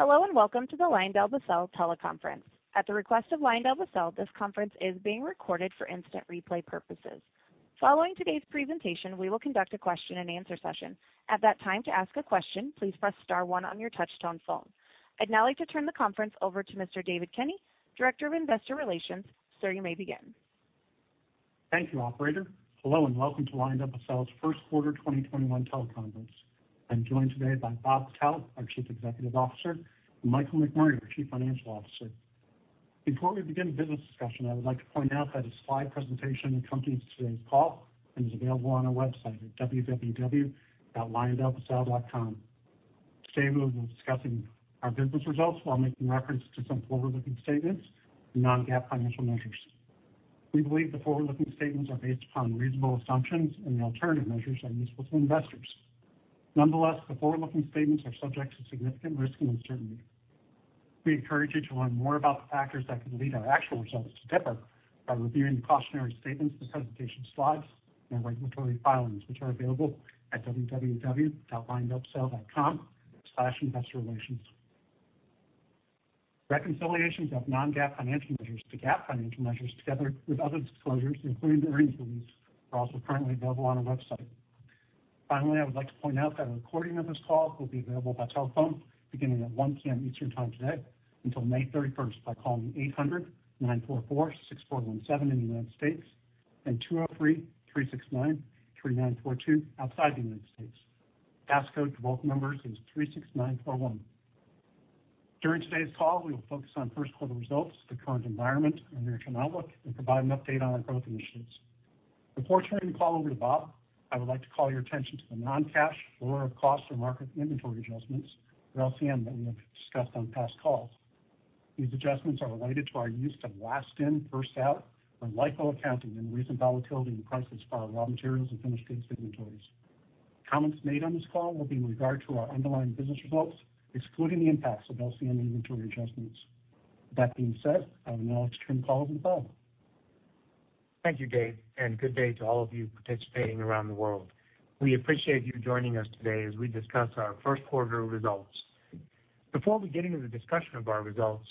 Hello, and welcome to the LyondellBasell teleconference. At the request of LyondellBasell, this conference is being recorded for instant replay purposes. Following today's presentation, we will conduct a question and answer session. At that time, to ask a question, please press star one on your touch-tone phone. I'd now like to turn the conference over to Mr. David Kinney, Director of Investor Relations. Sir, you may begin. Thank you, operator. Hello, and welcome to LyondellBasell's first quarter 2021 teleconference. I'm joined today by Bob Patel, our Chief Executive Officer, and Michael McMurray, our Chief Financial Officer. Before we begin the business discussion, I would like to point out that a slide presentation accompanies today's call and is available on our website at www.lyondellbasell.com. Today, we will be discussing our business results while making reference to some forward-looking statements and non-GAAP financial measures. We believe the forward-looking statements are based upon reasonable assumptions, and the alternative measures are useful to investors. Nonetheless, the forward-looking statements are subject to significant risk and uncertainty. We encourage you to learn more about the factors that could lead our actual results to differ by reviewing the cautionary statements, the presentation slides, and regulatory filings, which are available at www.lyondellbasell.com/investorrelations. Reconciliations of non-GAAP financial measures to GAAP financial measures, together with other disclosures, including the earnings release, are also currently available on our website. Finally, I would like to point out that a recording of this call will be available by telephone beginning at 1:00 P.M. Eastern Time today until May 31st by calling 800-944-6417 in the United States and 203-369-3942 outside the United States. Passcode for both numbers is 36941. During today's call, we will focus on first quarter results, the current environment, and near-term outlook, and provide an update on our growth initiatives. Before turning the call over to Bob, I would like to call your attention to the non-cash lower cost or market inventory adjustments, or LCM, that we have discussed on past calls. These adjustments are related to our use of last in, first out or LIFO accounting and the recent volatility in prices for our raw materials and finished goods inventories. Comments made on this call will be in regard to our underlying business results, excluding the impacts of LCM inventory adjustments. That being said, I will now turn the call over to Bob. Thank you, Dave, and good day to all of you participating around the world. We appreciate you joining us today as we discuss our first quarter results. Before we get into the discussion of our results,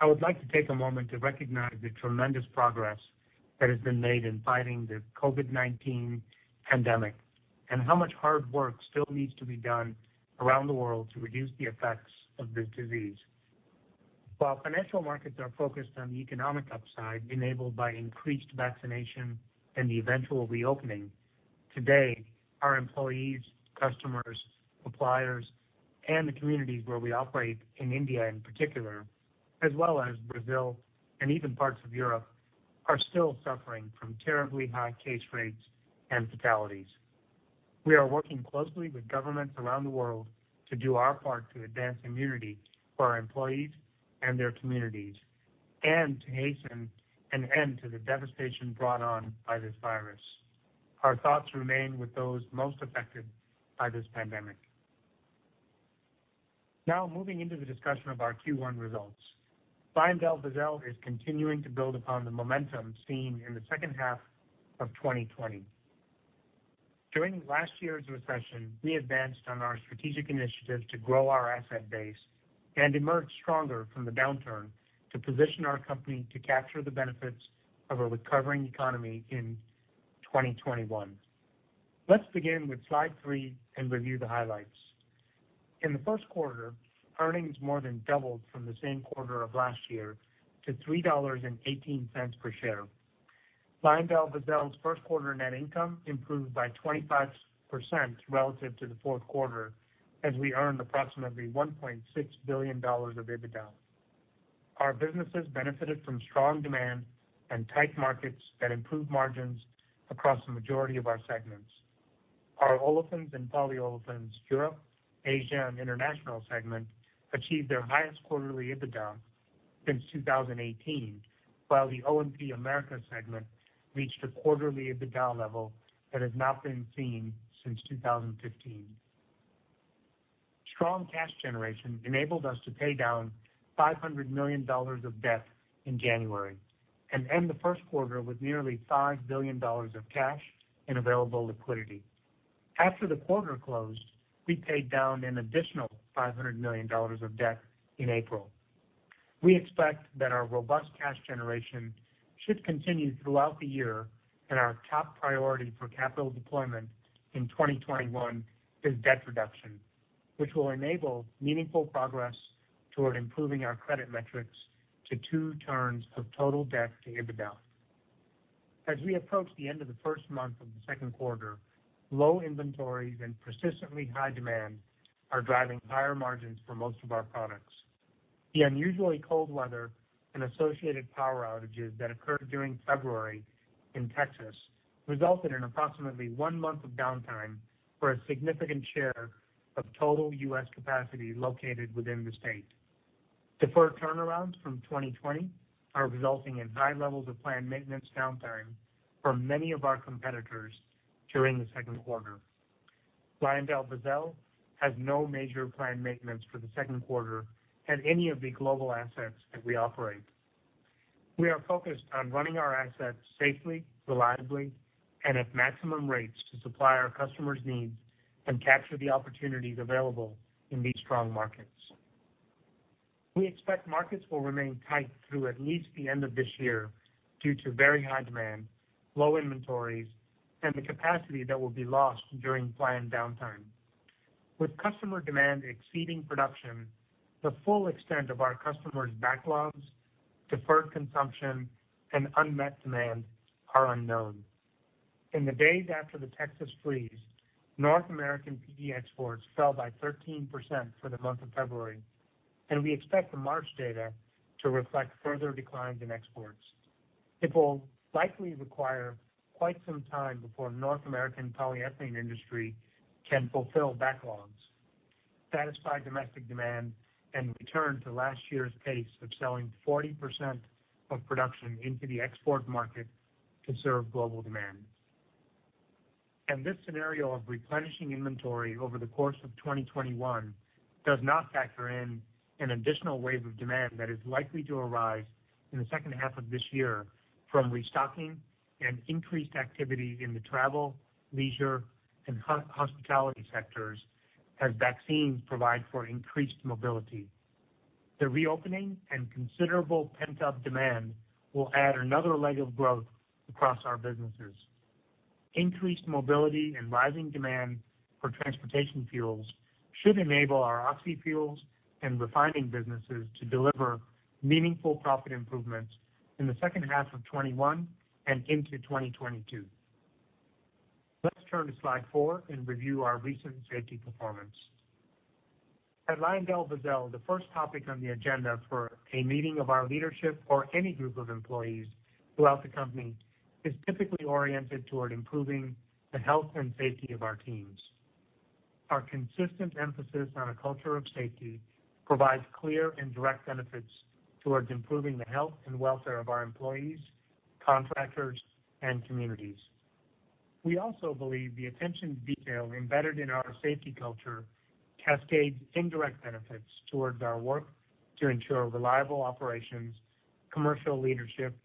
I would like to take a moment to recognize the tremendous progress that has been made in fighting the COVID-19 pandemic and how much hard work still needs to be done around the world to reduce the effects of this disease. While financial markets are focused on the economic upside enabled by increased vaccination and the eventual reopening, today, our employees, customers, suppliers, and the communities where we operate in India in particular, as well as Brazil and even parts of Europe, are still suffering from terribly high case rates and fatalities. We are working closely with governments around the world to do our part to advance immunity for our employees and their communities, and to hasten an end to the devastation brought on by this virus. Our thoughts remain with those most affected by this pandemic. Moving into the discussion of our Q1 results. LyondellBasell is continuing to build upon the momentum seen in the second half of 2020. During last year's recession, we advanced on our strategic initiatives to grow our asset base and emerged stronger from the downturn to position our company to capture the benefits of a recovering economy in 2021. Let's begin with slide three and review the highlights. In the first quarter, earnings more than doubled from the same quarter of last year to $3.18 per share. LyondellBasell's first quarter net income improved by 25% relative to the fourth quarter as we earned approximately $1.6 billion of EBITDA. Our businesses benefited from strong demand and tight markets that improved margins across the majority of our segments. Our Olefins and Polyolefins – Europe, Asia, International segment achieved their highest quarterly EBITDA since 2018, while the O&P America segment reached a quarterly EBITDA level that has not been seen since 2015. Strong cash generation enabled us to pay down $500 million of debt in January and end the first quarter with nearly $5 billion of cash and available liquidity. After the quarter closed, we paid down an additional $500 million of debt in April. We expect that our robust cash generation should continue throughout the year. Our top priority for capital deployment in 2021 is debt reduction, which will enable meaningful progress toward improving our credit metrics to two turns of total debt to EBITDA. As we approach the end of the first month of the second quarter, low inventories and persistently high demand are driving higher margins for most of our products. The unusually cold weather and associated power outages that occurred during February in Texas resulted in approximately one month of downtime for a significant share of total U.S. capacity located within the state. Deferred turnarounds from 2020 are resulting in high levels of planned maintenance downtime for many of our competitors during the second quarter. LyondellBasell has no major planned maintenance for the second quarter at any of the global assets that we operate. We are focused on running our assets safely, reliably, and at maximum rates to supply our customers' needs and capture the opportunities available in these strong markets. We expect markets will remain tight through at least the end of this year due to very high demand, low inventories, and the capacity that will be lost during planned downtime. With customer demand exceeding production, the full extent of our customers' backlogs, deferred consumption, and unmet demand are unknown. In the days after the Texas freeze, North American PE exports fell by 13% for the month of February, and we expect the March data to reflect further declines in exports. It will likely require quite some time before North American polyethylene industry can fulfill backlogs, satisfy domestic demand, and return to last year's pace of selling 40% of production into the export market to serve global demand. This scenario of replenishing inventory over the course of 2021 does not factor in an additional wave of demand that is likely to arise in the second half of this year from restocking and increased activity in the travel, leisure, and hospitality sectors as vaccines provide for increased mobility. The reopening and considerable pent-up demand will add another leg of growth across our businesses. Increased mobility and rising demand for transportation fuels should enable our oxy-fuels and refining businesses to deliver meaningful profit improvements in the second half of 2021 and into 2022. Let's turn to slide four and review our recent safety performance. At LyondellBasell, the first topic on the agenda for a meeting of our leadership or any group of employees throughout the company is typically oriented toward improving the health and safety of our teams. Our consistent emphasis on a culture of safety provides clear and direct benefits towards improving the health and welfare of our employees, contractors, and communities. We also believe the attention to detail embedded in our safety culture cascades indirect benefits towards our work to ensure reliable operations, commercial leadership,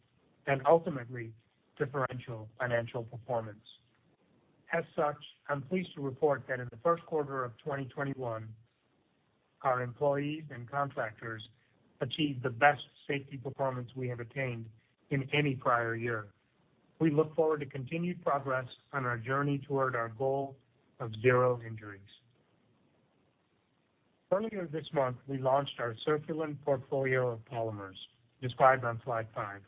and ultimately, differential financial performance. As such, I'm pleased to report that in the first quarter of 2021, our employees and contractors achieved the best safety performance we have attained in any prior year. We look forward to continued progress on our journey toward our goal of zero injuries. Earlier this month, we launched our Circulen portfolio of polymers, described on slide five,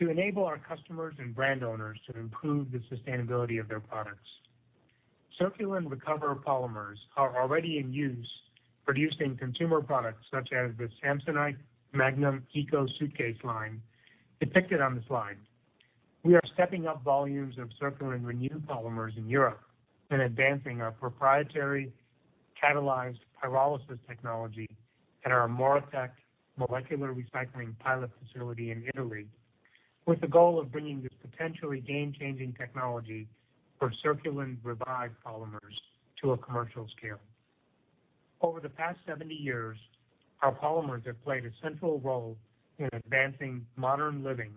to enable our customers and brand owners to improve the sustainability of their products. CirculenRecover polymers are already in use producing consumer products such as the Samsonite Magnum Eco suitcase line depicted on the slide. We are stepping up volumes of CirculenRenew polymers in Europe and advancing our proprietary catalyzed pyrolysis technology at our MoReTec molecular recycling pilot facility in Italy with the goal of bringing this potentially game-changing technology for CirculenRevive polymers to a commercial scale. Over the past 70 years, our polymers have played a central role in advancing modern living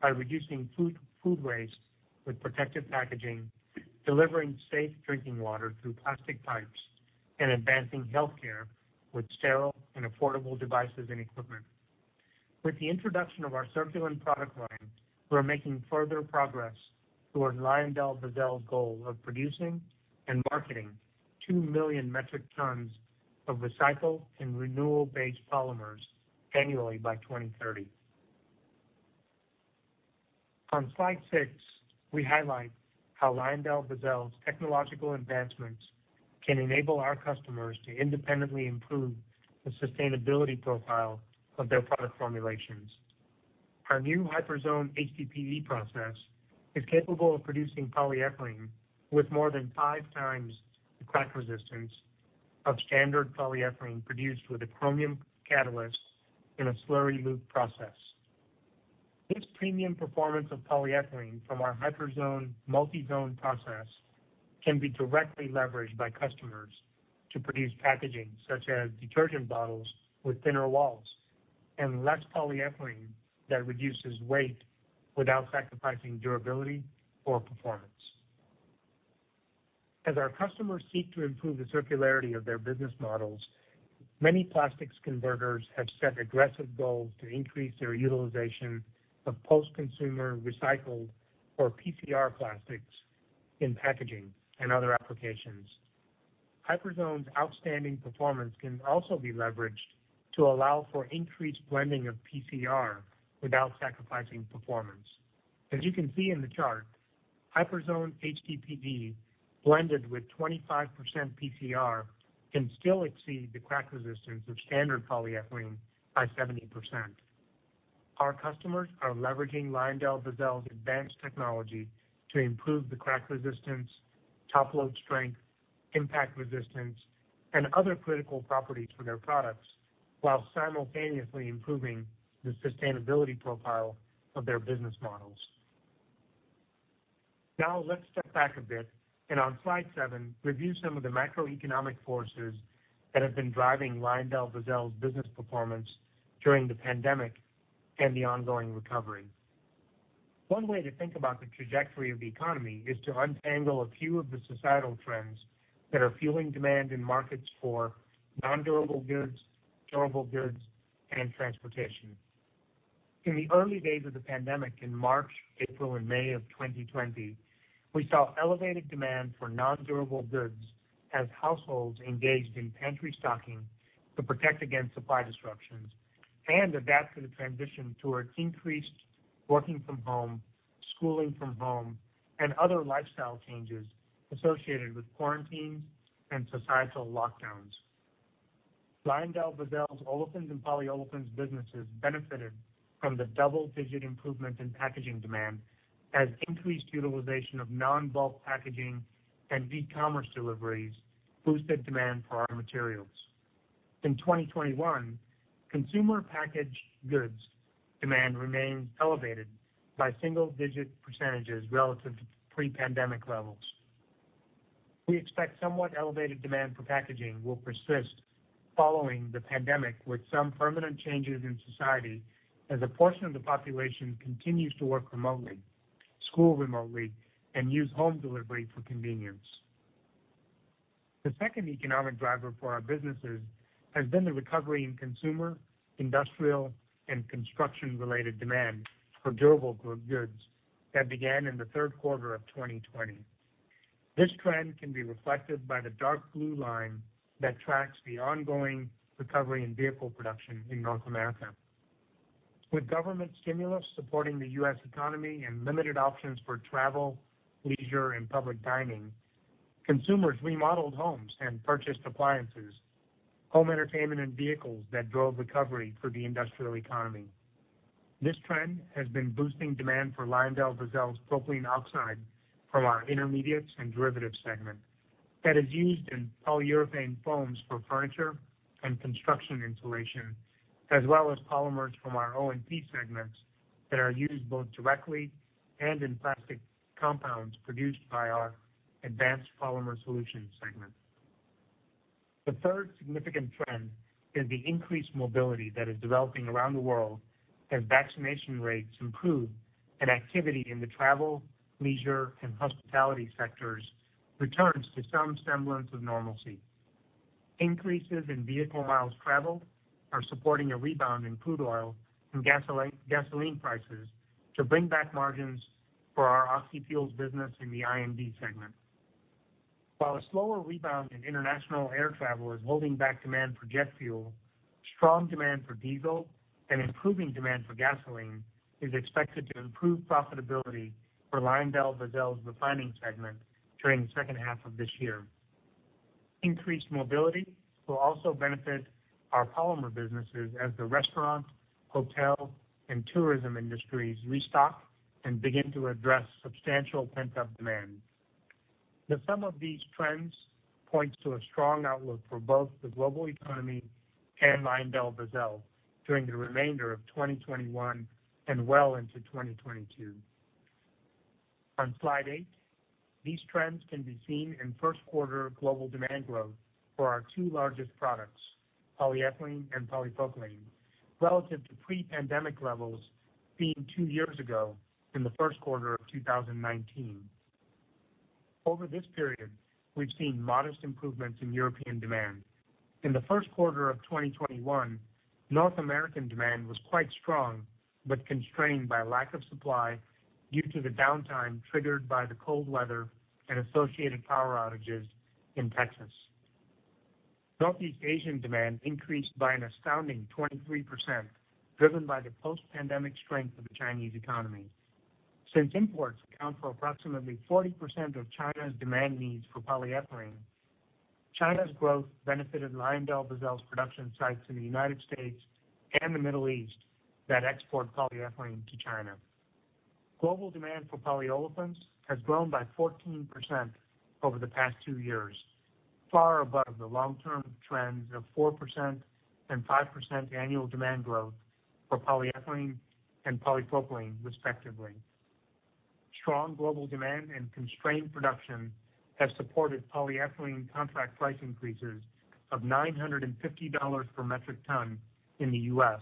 by reducing food waste with protective packaging, delivering safe drinking water through plastic pipes, and advancing healthcare with sterile and affordable devices and equipment. With the introduction of our Circulen product line, we're making further progress towards LyondellBasell's goal of producing and marketing 2 million metric tons of recycled and renewable-based polymers annually by 2030. On slide six, we highlight how LyondellBasell's technological advancements can enable our customers to independently improve the sustainability profile of their product formulations. Our new Hyperzone HDPE process is capable of producing polyethylene with more than five times the crack resistance of standard polyethylene produced with a chromium catalyst in a slurry loop process. This premium performance of polyethylene from our Hyperzone multi-zone process can be directly leveraged by customers to produce packaging such as detergent bottles with thinner walls and less polyethylene that reduces weight without sacrificing durability or performance. As our customers seek to improve the circularity of their business models, many plastics converters have set aggressive goals to increase their utilization of post-consumer recycled or PCR plastics in packaging and other applications. Hyperzone's outstanding performance can also be leveraged to allow for increased blending of PCR without sacrificing performance. As you can see in the chart, Hyperzone HDPE blended with 25% PCR can still exceed the crack resistance of standard polyethylene by 70%. Our customers are leveraging LyondellBasell's advanced technology to improve the crack resistance, top load strength, impact resistance, and other critical properties for their products while simultaneously improving the sustainability profile of their business models. Let's step back a bit, and on slide seven, review some of the macroeconomic forces that have been driving LyondellBasell's business performance during the pandemic and the ongoing recovery. One way to think about the trajectory of the economy is to untangle a few of the societal trends that are fueling demand in markets for non-durable goods, durable goods, and transportation. In the early days of the pandemic in March, April, and May of 2020, we saw elevated demand for non-durable goods as households engaged in pantry stocking to protect against supply disruptions and adapt to the transition towards increased working from home, schooling from home, and other lifestyle changes associated with quarantines and societal lockdowns. LyondellBasell's olefins and polyolefins businesses benefited from the double-digit improvement in packaging demand as increased utilization of non-bulk packaging and e-commerce deliveries boosted demand for our materials. In 2021, consumer packaged goods demand remains elevated by single-digit percentages relative to pre-pandemic levels. We expect somewhat elevated demand for packaging will persist following the pandemic, with some permanent changes in society as a portion of the population continues to work remotely, school remotely, and use home delivery for convenience. The second economic driver for our businesses has been the recovery in consumer, industrial, and construction-related demand for durable goods that began in the third quarter of 2020. This trend can be reflected by the dark blue line that tracks the ongoing recovery in vehicle production in North America. With government stimulus supporting the U.S. economy and limited options for travel, leisure, and public dining, consumers remodeled homes and purchased appliances, home entertainment, and vehicles that drove recovery for the industrial economy. This trend has been boosting demand for LyondellBasell's propylene oxide from our Intermediates and Derivatives segment that is used in polyurethane foams for furniture and construction insulation, as well as polymers from our O&P segments that are used both directly and in plastic compounds produced by our Advanced Polymer Solutions segment. The third significant trend is the increased mobility that is developing around the world as vaccination rates improve and activity in the travel, leisure, and hospitality sectors returns to some semblance of normalcy. Increases in vehicle miles traveled are supporting a rebound in crude oil and gasoline prices to bring back margins for our oxy fuels business in the I&D segment. While a slower rebound in international air travel is holding back demand for jet fuel, strong demand for diesel and improving demand for gasoline is expected to improve profitability for LyondellBasell's refining segment during the second half of this year. Increased mobility will also benefit our polymer businesses as the restaurant, hotel, and tourism industries restock and begin to address substantial pent-up demand. The sum of these trends points to a strong outlook for both the global economy and LyondellBasell during the remainder of 2021 and well into 2022. On slide eight, these trends can be seen in first quarter global demand growth for our two largest products, polyethylene and polypropylene, relative to pre-pandemic levels seen two years ago in the first quarter of 2019. Over this period, we've seen modest improvements in European demand. In the first quarter of 2021, North American demand was quite strong but constrained by lack of supply due to the downtime triggered by the cold weather and associated power outages in Texas. Southeast Asian demand increased by an astounding 23%, driven by the post-pandemic strength of the Chinese economy. Since imports account for approximately 40% of China's demand needs for polyethylene, China's growth benefited LyondellBasell's production sites in the United States and the Middle East that export polyethylene to China. Global demand for polyolefins has grown by 14% over the past two years, far above the long-term trends of 4% and 5% annual demand growth for polyethylene and polypropylene, respectively. Strong global demand and constrained production have supported polyethylene contract price increases of $950 per metric ton in the U.S.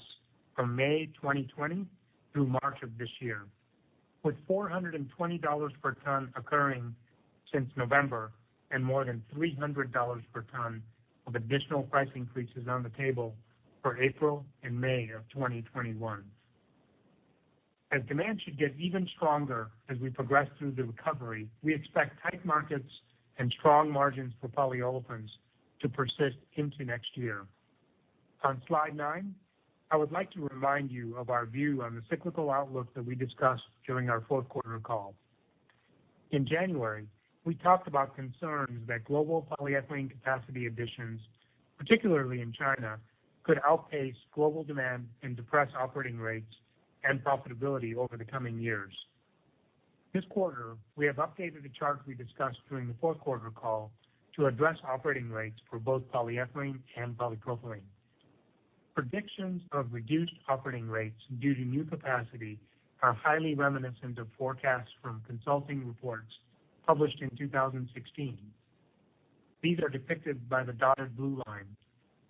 from May 2020 through March of this year, with $420 per ton occurring since November and more than $300 per ton of additional price increases on the table for April and May of 2021. As demand should get even stronger as we progress through the recovery, we expect tight markets and strong margins for polyolefins to persist into next year. On slide nine, I would like to remind you of our view on the cyclical outlook that we discussed during our fourth quarter call. In January, we talked about concerns that global polyethylene capacity additions, particularly in China, could outpace global demand and depress operating rates and profitability over the coming years. This quarter, we have updated the chart we discussed during the fourth quarter call to address operating rates for both polyethylene and polypropylene. Predictions of reduced operating rates due to new capacity are highly reminiscent of forecasts from consulting reports published in 2016. These are depicted by the dotted blue line,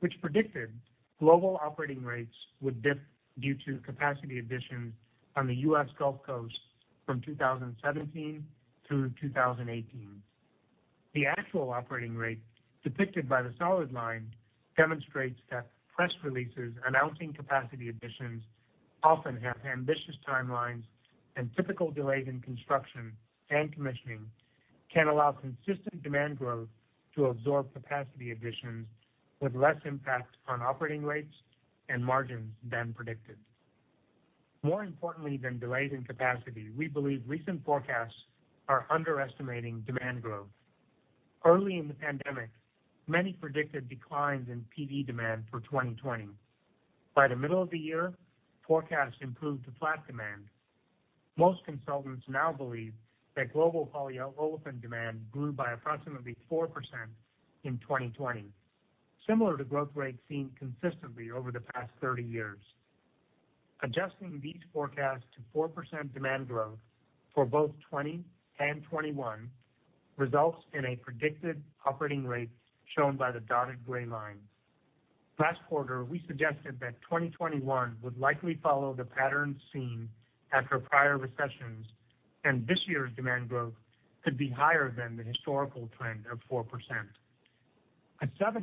which predicted global operating rates would dip due to capacity additions on the U.S. Gulf Coast from 2017 through 2018. The actual operating rate depicted by the solid line demonstrates that press releases announcing capacity additions often have ambitious timelines, and typical delays in construction and commissioning can allow consistent demand growth to absorb capacity additions with less impact on operating rates and margins than predicted. More importantly than delays in capacity, we believe recent forecasts are underestimating demand growth. Early in the pandemic, many predicted declines in PE demand for 2020. By the middle of the year, forecasts improved to flat demand. Most consultants now believe that global polyolefin demand grew by approximately 4% in 2020, similar to growth rates seen consistently over the past 30 years. Adjusting these forecasts to 4% demand growth for both 2020 and 2021 results in a predicted operating rate shown by the dotted gray line. Last quarter, we suggested that 2021 would likely follow the pattern seen after prior recessions, and this year's demand growth could be higher than the historical trend of 4%. A 7%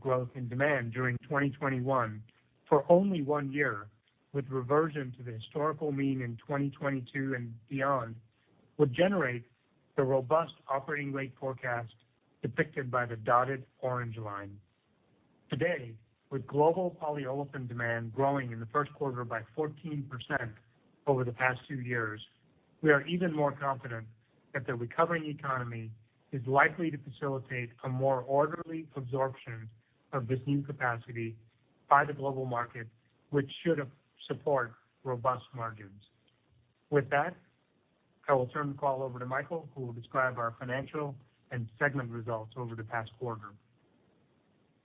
growth in demand during 2021 for only one year, with reversion to the historical mean in 2022 and beyond, would generate the robust operating rate forecast depicted by the dotted orange line. Today, with global polyolefin demand growing in the first quarter by 14% over the past two years, we are even more confident that the recovering economy is likely to facilitate a more orderly absorption of this new capacity by the global market, which should support robust margins. I will turn the call over to Michael, who will describe our financial and segment results over the past quarter.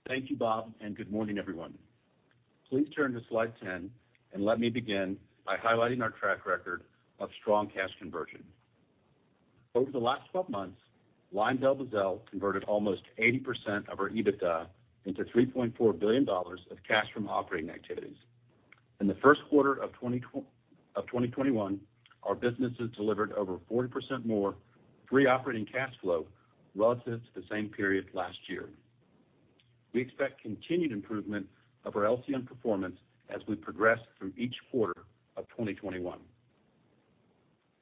Thank you, Bob, and good morning, everyone. Please turn to slide 10, and let me begin by highlighting our track record of strong cash conversion. Over the last 12 months, LyondellBasell converted almost 80% of our EBITDA into $3.4 billion of cash from operating activities. In the first quarter of 2021, our businesses delivered over 40% more free operating cash flow relative to the same period last year. We expect continued improvement of our LCM performance as we progress through each quarter of 2021.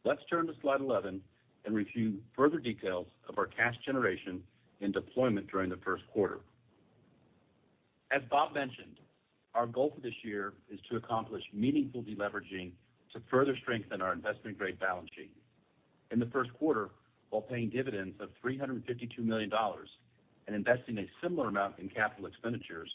Let's turn to slide 11 and review further details of our cash generation and deployment during the first quarter. As Bob mentioned, our goal for this year is to accomplish meaningful deleveraging to further strengthen our investment-grade balance sheet. In the first quarter, while paying dividends of $352 million and investing a similar amount in capital expenditures,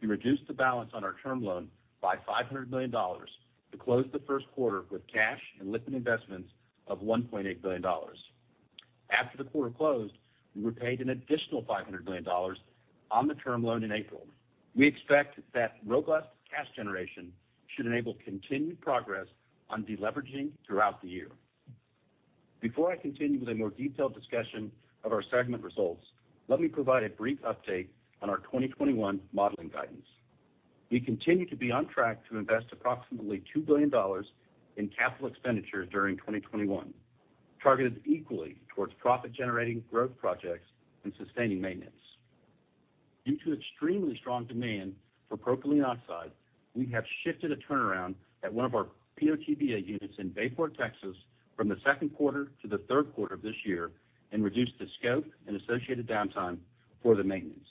we reduced the balance on our term loan by $500 million to close the first quarter with cash and liquid investments of $1.8 billion. After the quarter closed, we repaid an additional $500 million on the term loan in April. We expect that robust cash generation should enable continued progress on deleveraging throughout the year. Before I continue with a more detailed discussion of our segment results, let me provide a brief update on our 2021 modeling guidance. We continue to be on track to invest approximately $2 billion in capital expenditures during 2021, targeted equally towards profit-generating growth projects and sustaining maintenance. Due to extremely strong demand for propylene oxide, we have shifted a turnaround at one of our PO/TBA units in Bayport, Texas from the second quarter to the third quarter of this year and reduced the scope and associated downtime for the maintenance.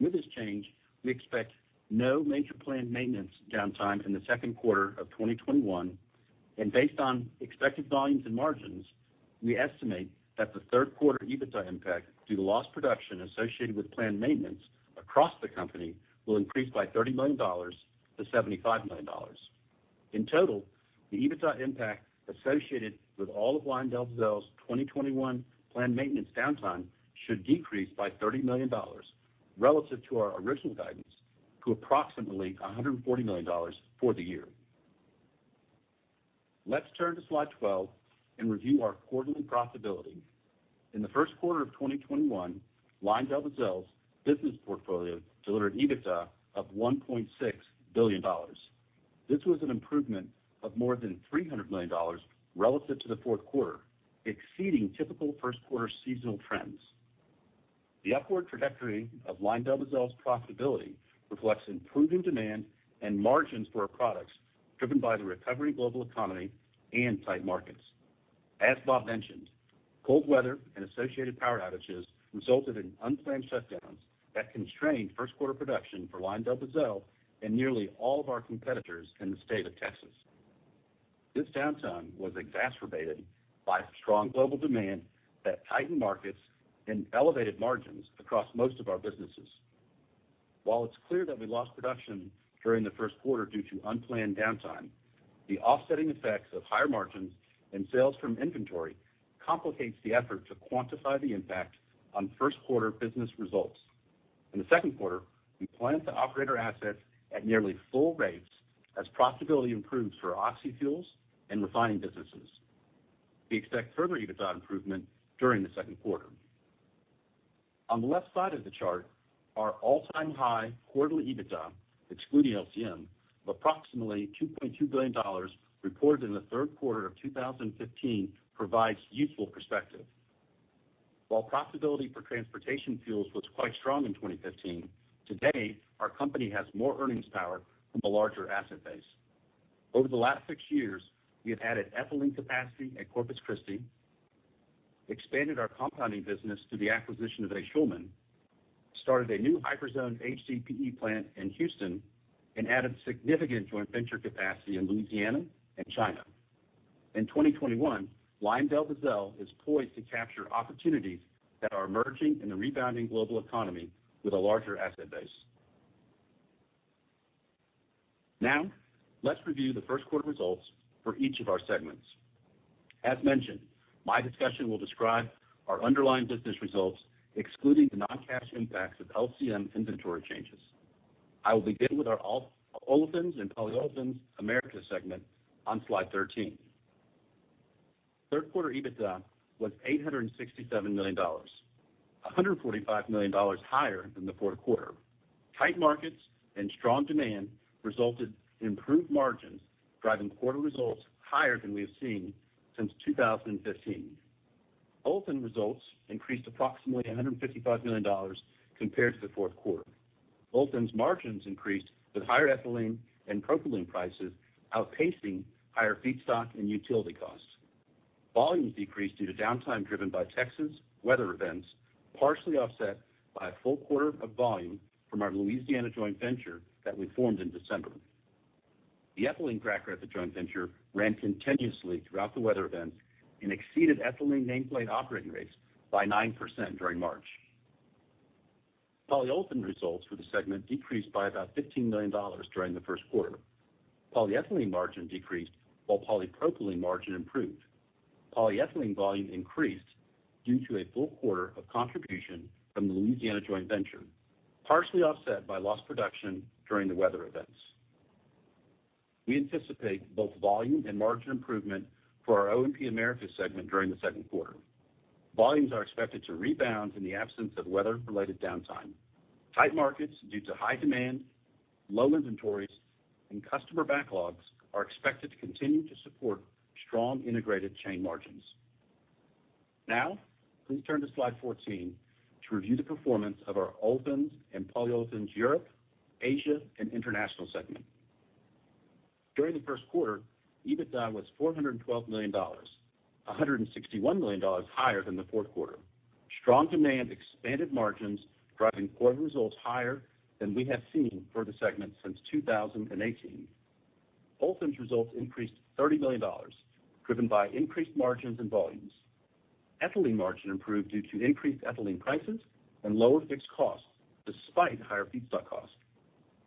With this change, we expect no major planned maintenance downtime in the second quarter of 2021, and based on expected volumes and margins, we estimate that the third quarter EBITDA impact due to lost production associated with planned maintenance across the company will increase by $30 million-$75 million. In total, the EBITDA impact associated with all of LyondellBasell's 2021 planned maintenance downtime should decrease by $30 million relative to our original guidance to approximately $140 million for the year. Let's turn to slide 12 and review our quarterly profitability. In the first quarter of 2021, LyondellBasell's business portfolio delivered EBITDA of $1.6 billion. This was an improvement of more than $300 million relative to the fourth quarter, exceeding typical first-quarter seasonal trends. The upward trajectory of LyondellBasell's profitability reflects improving demand and margins for our products, driven by the recovering global economy and tight markets. As Bob mentioned, cold weather and associated power outages resulted in unplanned shutdowns that constrained first-quarter production for LyondellBasell and nearly all of our competitors in the state of Texas. This downtime was exacerbated by strong global demand that tightened markets and elevated margins across most of our businesses. While it's clear that we lost production during the first quarter due to unplanned downtime. The offsetting effects of higher margins and sales from inventory complicates the effort to quantify the impact on first quarter business results. In the second quarter, we plan to operate our assets at nearly full rates as profitability improves for oxy fuels and refining businesses. We expect further EBITDA improvement during the second quarter. On the left side of the chart, our all-time high quarterly EBITDA, excluding LCM, of approximately $2.2 billion reported in the third quarter of 2015 provides useful perspective. While profitability for transportation fuels was quite strong in 2015, today our company has more earnings power from a larger asset base. Over the last six years, we have added ethylene capacity at Corpus Christi, expanded our compounding business through the acquisition of A. Schulman, started a new Hyperzone HDPE plant in Houston, and added significant joint venture capacity in Louisiana and China. In 2021, LyondellBasell is poised to capture opportunities that are emerging in the rebounding global economy with a larger asset base. Let's review the first quarter results for each of our segments. As mentioned, my discussion will describe our underlying business results, excluding the non-cash impacts of LCM inventory changes. I will begin with our Olefins and Polyolefins-Americas segment on slide 13. Third quarter EBITDA was $867 million, $145 million higher than the fourth quarter. Tight markets and strong demand resulted in improved margins, driving quarter results higher than we have seen since 2015. Olefin results increased approximately $155 million compared to the fourth quarter. Olefins margins increased with higher ethylene and propylene prices outpacing higher feedstock and utility costs. Volumes decreased due to downtime driven by Texas weather events, partially offset by a full quarter of volume from our Louisiana joint venture that we formed in December. The ethylene cracker at the joint venture ran continuously throughout the weather events and exceeded ethylene nameplate operating rates by 9% during March. Polyolefin results for the segment decreased by about $15 million during the first quarter. Polyethylene margin decreased while polypropylene margin improved. Polyethylene volume increased due to a full quarter of contribution from the Louisiana joint venture, partially offset by lost production during the weather events. We anticipate both volume and margin improvement for our O&P-Americas segment during the second quarter. Volumes are expected to rebound in the absence of weather-related downtime. Tight markets due to high demand, low inventories, and customer backlogs are expected to continue to support strong integrated chain margins. Now, please turn to slide 14 to review the performance of our Olefins and Polyolefins – Europe, Asia, International segment. During the first quarter, EBITDA was $412 million, $161 million higher than the fourth quarter. Strong demand expanded margins driving quarter results higher than we have seen for the segment since 2018. Olefins results increased $30 million, driven by increased margins and volumes. Ethylene margin improved due to increased ethylene prices and lower fixed costs despite higher feedstock costs.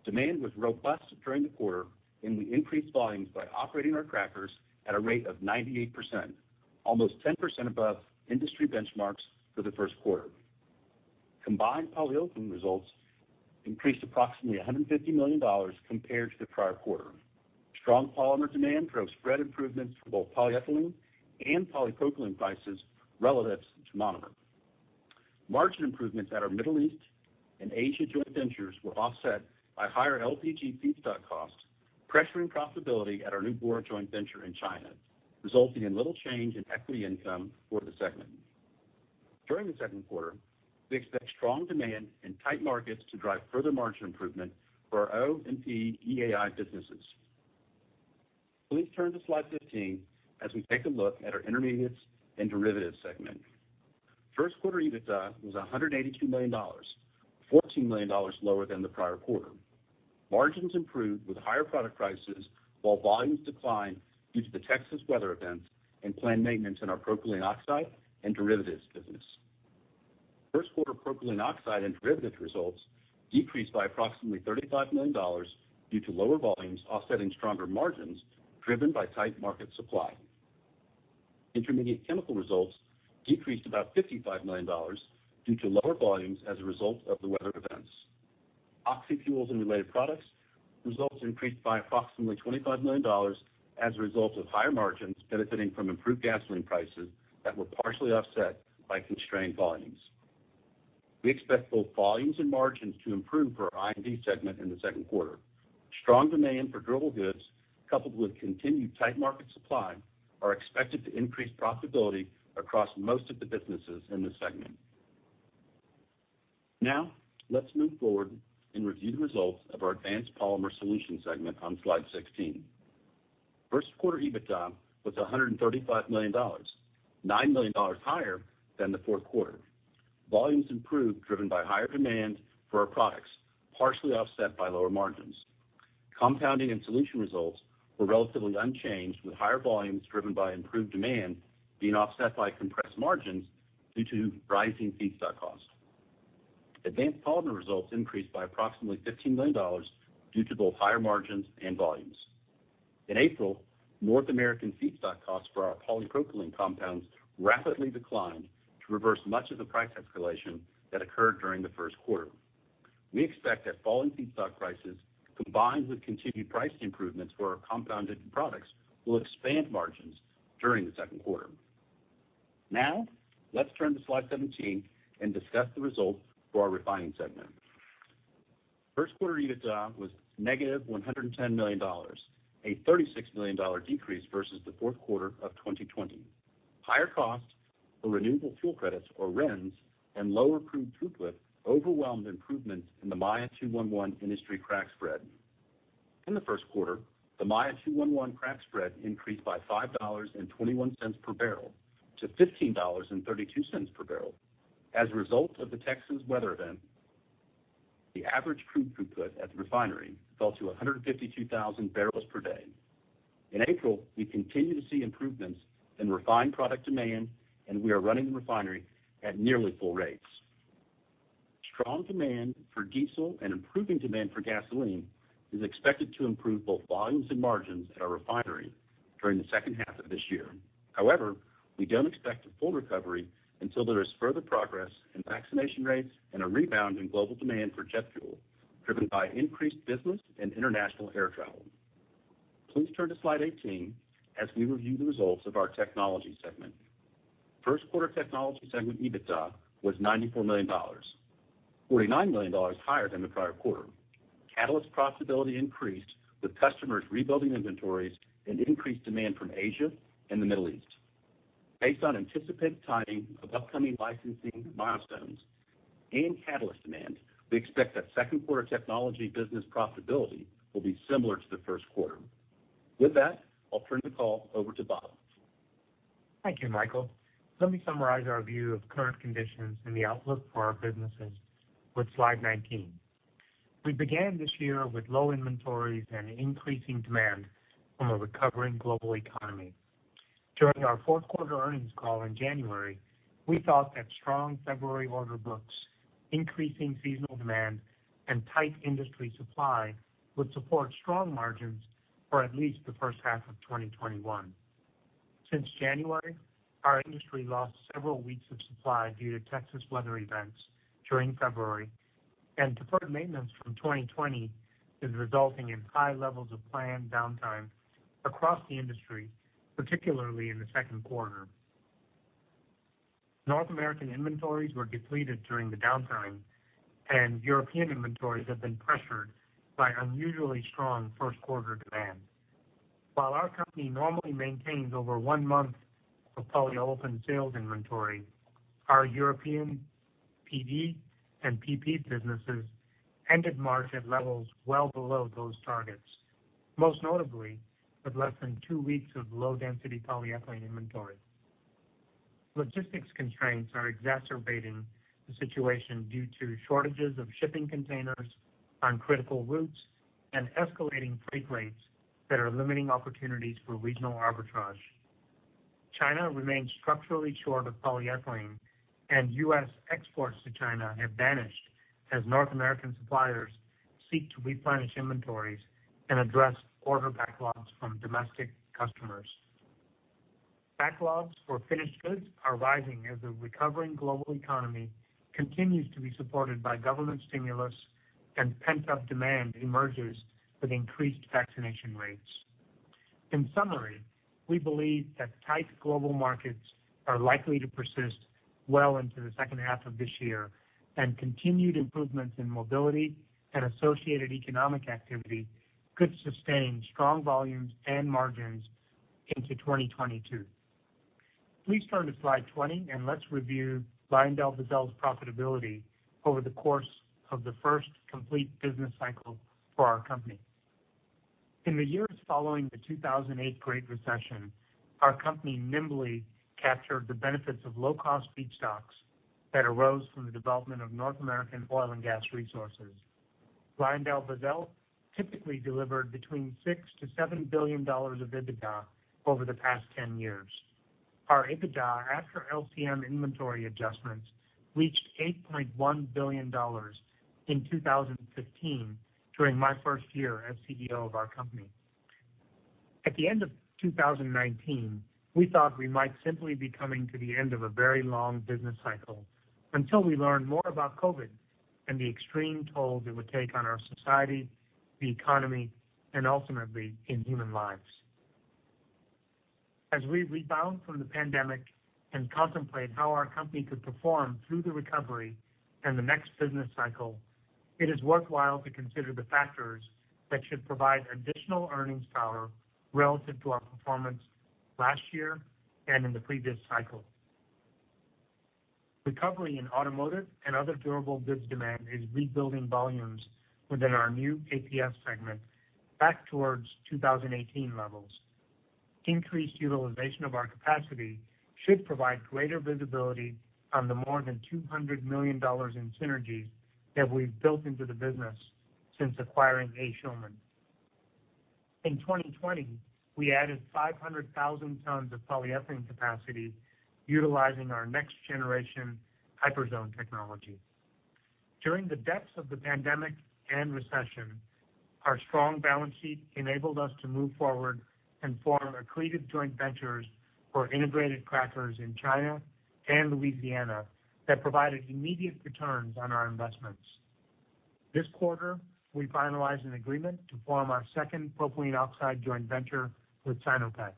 Demand was robust during the quarter, and we increased volumes by operating our crackers at a rate of 98%, almost 10% above industry benchmarks for the first quarter. Combined polyolefin results increased approximately $150 million compared to the prior quarter. Strong polymer demand drove spread improvements for both polyethylene and polypropylene prices relative to monomer. Margin improvements at our Middle East and Asia joint ventures were offset by higher LPG feedstock costs, pressuring profitability at our new Bora joint venture in China, resulting in little change in equity income for the segment. During the second quarter, we expect strong demand and tight markets to drive further margin improvement for our O&P EAI businesses. Please turn to slide 15 as we take a look at our Intermediates and Derivatives Segment. First quarter EBITDA was $182 million, $14 million lower than the prior quarter. Margins improved with higher product prices while volumes declined due to the Texas weather events and planned maintenance in our propylene oxide and derivatives business. First quarter propylene oxide and derivatives results decreased by approximately $35 million due to lower volumes offsetting stronger margins driven by tight market supply. Intermediate chemical results decreased about $55 million due to lower volumes as a result of the weather events. Oxy-Fuels and Related Products results increased by approximately $25 million as a result of higher margins benefiting from improved gasoline prices that were partially offset by constrained volumes. We expect both volumes and margins to improve for our I&D Segment in the second quarter. Strong demand for durable goods coupled with continued tight market supply are expected to increase profitability across most of the businesses in this segment. Let's move forward and review the results of our Advanced Polymer Solutions segment on slide 16. First quarter EBITDA was $135 million, $9 million higher than the fourth quarter. Volumes improved, driven by higher demand for our products, partially offset by lower margins. Compounding and solution results were relatively unchanged, with higher volumes driven by improved demand being offset by compressed margins due to rising feedstock costs. Advanced Polymers results increased by approximately $15 million due to both higher margins and volumes. In April, North American feedstock costs for our polypropylene compounds rapidly declined to reverse much of the price escalation that occurred during the first quarter. We expect that falling feedstock prices, combined with continued price improvements for our compounded products, will expand margins during the second quarter. Now, let's turn to slide 17 and discuss the results for our Refining segment. First quarter EBITDA was -$110 million, a $36 million decrease versus the fourth quarter of 2020. Higher costs for renewable fuel credits, or RINs, and lower crude throughput overwhelmed improvements in the Maya 2-1-1 industry crack spread. In the first quarter, the Maya 2-1-1 crack spread increased by $5.21 per bbl to $15.32 per bbl. As a result of the Texas weather event, the average crude throughput at the refinery fell to 152,000 bpd. In April, we continue to see improvements in refined product demand, and we are running the refinery at nearly full rates. Strong demand for diesel and improving demand for gasoline is expected to improve both volumes and margins at our refinery during the second half of this year. However, we don't expect a full recovery until there is further progress in vaccination rates and a rebound in global demand for jet fuel, driven by increased business and international air travel. Please turn to slide 18 as we review the results of our Technologies Segment. First quarter Technologies Segment EBITDA was $94 million, $49 million higher than the prior quarter. Catalyst profitability increased with customers rebuilding inventories and increased demand from Asia and the Middle East. Based on anticipated timing of upcoming licensing milestones and catalyst demand, we expect that second quarter Technology business profitability will be similar to the first quarter. With that, I'll turn the call over to Bob. Thank you, Michael. Let me summarize our view of current conditions and the outlook for our businesses with slide 19. We began this year with low inventories and increasing demand from a recovering global economy. During our fourth quarter earnings call in January, we thought that strong February order books, increasing seasonal demand, and tight industry supply would support strong margins for at least the first half of 2021. Since January, our industry lost several weeks of supply due to Texas weather events during February, and deferred maintenance from 2020 is resulting in high levels of planned downtime across the industry, particularly in the second quarter. North American inventories were depleted during the downtime, and European inventories have been pressured by unusually strong first quarter demand. While our company normally maintains over one month of polyolefin sales inventory, our European PE and PP businesses ended March at levels well below those targets, most notably with less than two weeks of low-density polyethylene inventory. Logistics constraints are exacerbating the situation due to shortages of shipping containers on critical routes and escalating freight rates that are limiting opportunities for regional arbitrage. China remains structurally short of polyethylene, and U.S. exports to China have vanished as North American suppliers seek to replenish inventories and address order backlogs from domestic customers. Backlogs for finished goods are rising as the recovering global economy continues to be supported by government stimulus and pent-up demand emerges with increased vaccination rates. In summary, we believe that tight global markets are likely to persist well into the second half of this year, and continued improvements in mobility and associated economic activity could sustain strong volumes and margins into 2022. Please turn to slide 20, and let's review LyondellBasell's profitability over the course of the first complete business cycle for our company. In the years following the 2008 Great Recession, our company nimbly captured the benefits of low-cost feedstocks that arose from the development of North American oil and gas resources. LyondellBasell typically delivered between $6 billion to $7 billion of EBITDA over the past 10 years. Our EBITDA after LCM inventory adjustments reached $8.1 billion in 2015 during my first year as CEO of our company. At the end of 2019, we thought we might simply be coming to the end of a very long business cycle until we learned more about COVID and the extreme toll it would take on our society, the economy, and ultimately in human lives. As we rebound from the pandemic and contemplate how our company could perform through the recovery and the next business cycle, it is worthwhile to consider the factors that should provide additional earnings power relative to our performance last year and in the previous cycle. Recovery in automotive and other durable goods demand is rebuilding volumes within our new KPF segment back towards 2018 levels. Increased utilization of our capacity should provide greater visibility on the more than $200 million in synergies that we've built into the business since acquiring A. Schulman. In 2020, we added 500,000 tons of polyethylene capacity utilizing our next generation Hyperzone technology. During the depths of the pandemic and recession, our strong balance sheet enabled us to move forward and form accretive joint ventures for integrated crackers in China and Louisiana that provided immediate returns on our investments. This quarter, we finalized an agreement to form our second Propylene Oxide joint venture with Sinopec.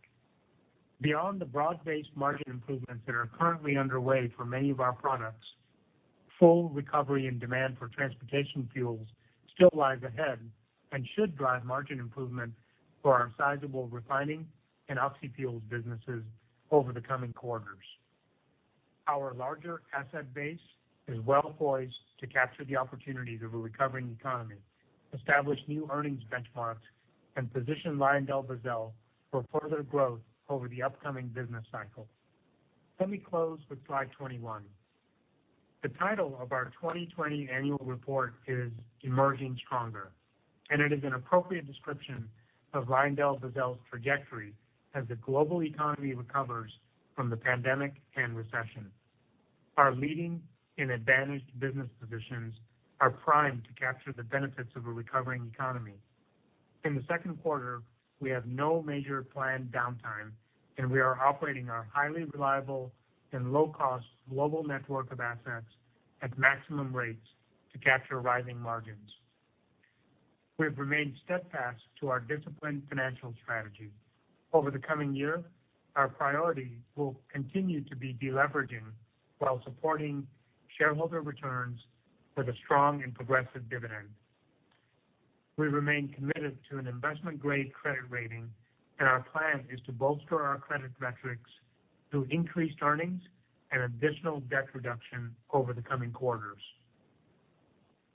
Beyond the broad-based margin improvements that are currently underway for many of our products, full recovery and demand for transportation fuels still lies ahead and should drive margin improvement for our sizable refining and oxy-fuels businesses over the coming quarters. Our larger asset base is well poised to capture the opportunities of a recovering economy, establish new earnings benchmarks, and position LyondellBasell for further growth over the upcoming business cycle. Let me close with slide 21. The title of our 2020 annual report is Emerging Stronger. It is an appropriate description of LyondellBasell's trajectory as the global economy recovers from the pandemic and recession. Our leading and advantaged business positions are primed to capture the benefits of a recovering economy. In the second quarter, we have no major planned downtime, and we are operating our highly reliable and low-cost global network of assets at maximum rates to capture rising margins. We've remained steadfast to our disciplined financial strategy. Over the coming year, our priority will continue to be de-leveraging while supporting shareholder returns with a strong and progressive dividend. We remain committed to an investment-grade credit rating, and our plan is to bolster our credit metrics through increased earnings and additional debt reduction over the coming quarters.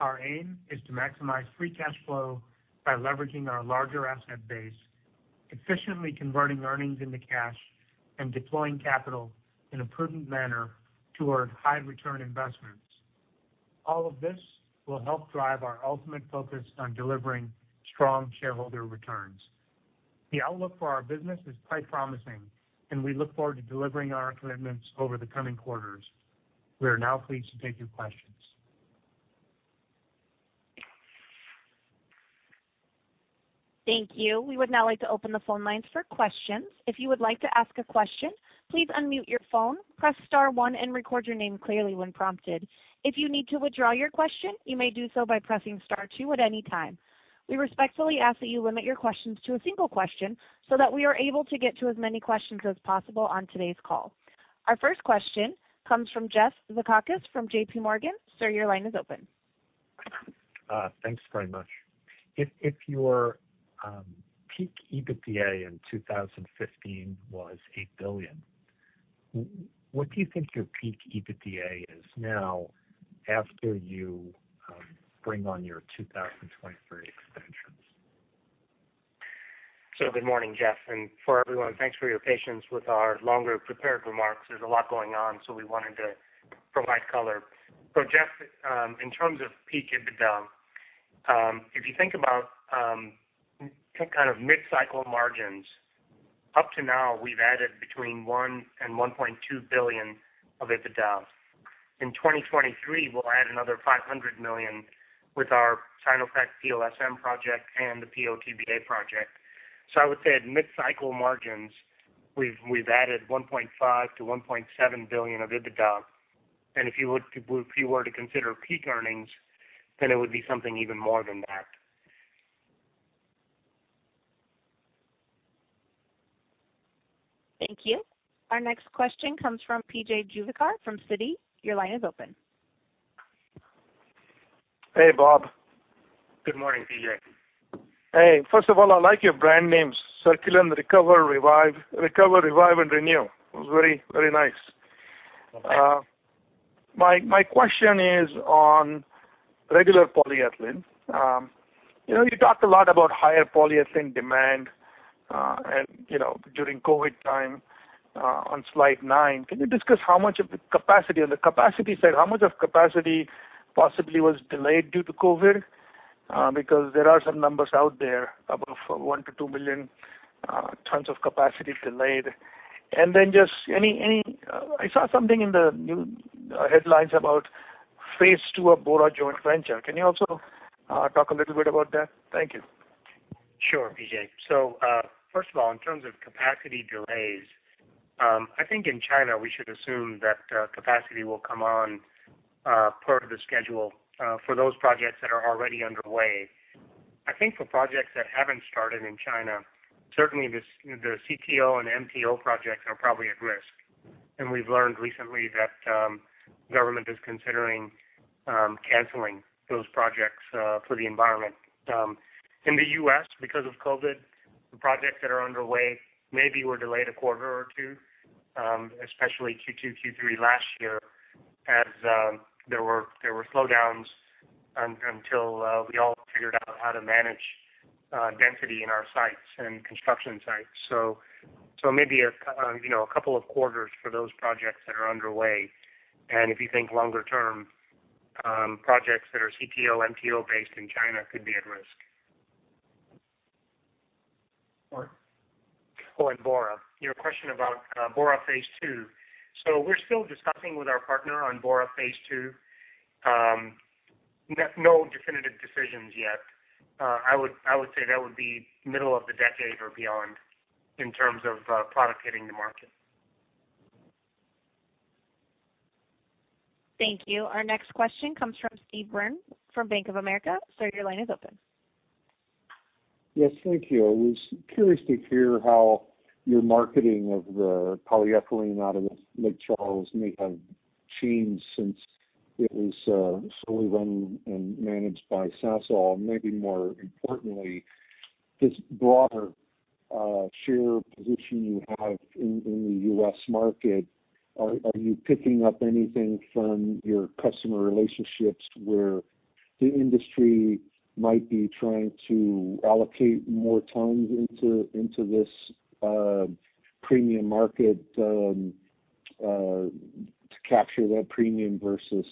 Our aim is to maximize free cash flow by leveraging our larger asset base, efficiently converting earnings into cash, and deploying capital in a prudent manner toward high return investments. All of this will help drive our ultimate focus on delivering strong shareholder returns. The outlook for our business is quite promising, and we look forward to delivering on our commitments over the coming quarters. We are now pleased to take your questions. Thank you. We would now like to open the phone lines for questions. We respectfully ask that you limit your questions to a single question so that we are able to get to as many questions as possible on today's call. Our first question comes from Jeff Zekauskas from JPMorgan. Thanks very much. If your peak EBITDA in 2015 was $8 billion, what do you think your peak EBITDA is now after you bring on your 2023 expansions? Good morning, Jeff, and for everyone, thanks for your patience with our longer prepared remarks. There's a lot going on, so we wanted to provide color. Jeff, in terms of peak EBITDA, if you think about mid-cycle margins, up to now, we've added between one and $1.2 billion of EBITDA. In 2023, we'll add another $500 million with our Sinopec PO/SM project and the PO/TBA project. I would say at mid-cycle margins, we've added $1.5 billion-$1.7 billion of EBITDA. If you were to consider peak earnings, then it would be something even more than that. Thank you. Our next question comes from P.J. Juvekar from Citi. Your line is open. Hey, Bob. Good morning, P.J. Hey. First of all, I like your brand names, Circulen, Recover, Revive, and Renew. It was very nice. Okay. My question is on regular polyethylene. You talked a lot about higher polyethylene demand during COVID time on slide nine. Can you discuss how much of the capacity, on the capacity side, how much of capacity possibly was delayed due to COVID? Because there are some numbers out there above 1 million-2 million tons of capacity delayed. I saw something in the headlines about phase two of Bora joint venture. Can you also talk a little bit about that? Thank you. Sure, P.J.. First of all, in terms of capacity delays, I think in China, we should assume that capacity will come on per the schedule for those projects that are already underway. I think for projects that haven't started in China, certainly the CTO and MTO projects are probably at risk. We've learned recently that government is considering canceling those projects for the environment. In the U.S. because of COVID, the projects that are underway maybe were delayed a quarter or two, especially Q2, Q3 last year as there were slowdowns until we all figured out how to manage density in our sites and construction sites. Maybe a couple of quarters for those projects that are underway, and if you think longer term, projects that are CTL, MTO based in China could be at risk. Bora. Your question about Bora phase 2. We're still discussing with our partner on Bora phase 2. No definitive decisions yet. I would say that would be middle of the decade or beyond in terms of product hitting the market. Thank you. Our next question comes from Steve Byrne from Bank of America. Sir, your line is open. Yes. Thank you. I was curious to hear how your marketing of the polyethylene out of Lake Charles may have changed since it was solely run and managed by Sasol. Maybe more importantly, this broader share position you have in the U.S. market, are you picking up anything from your customer relationships where the industry might be trying to allocate more tons into this premium market to capture that premium versus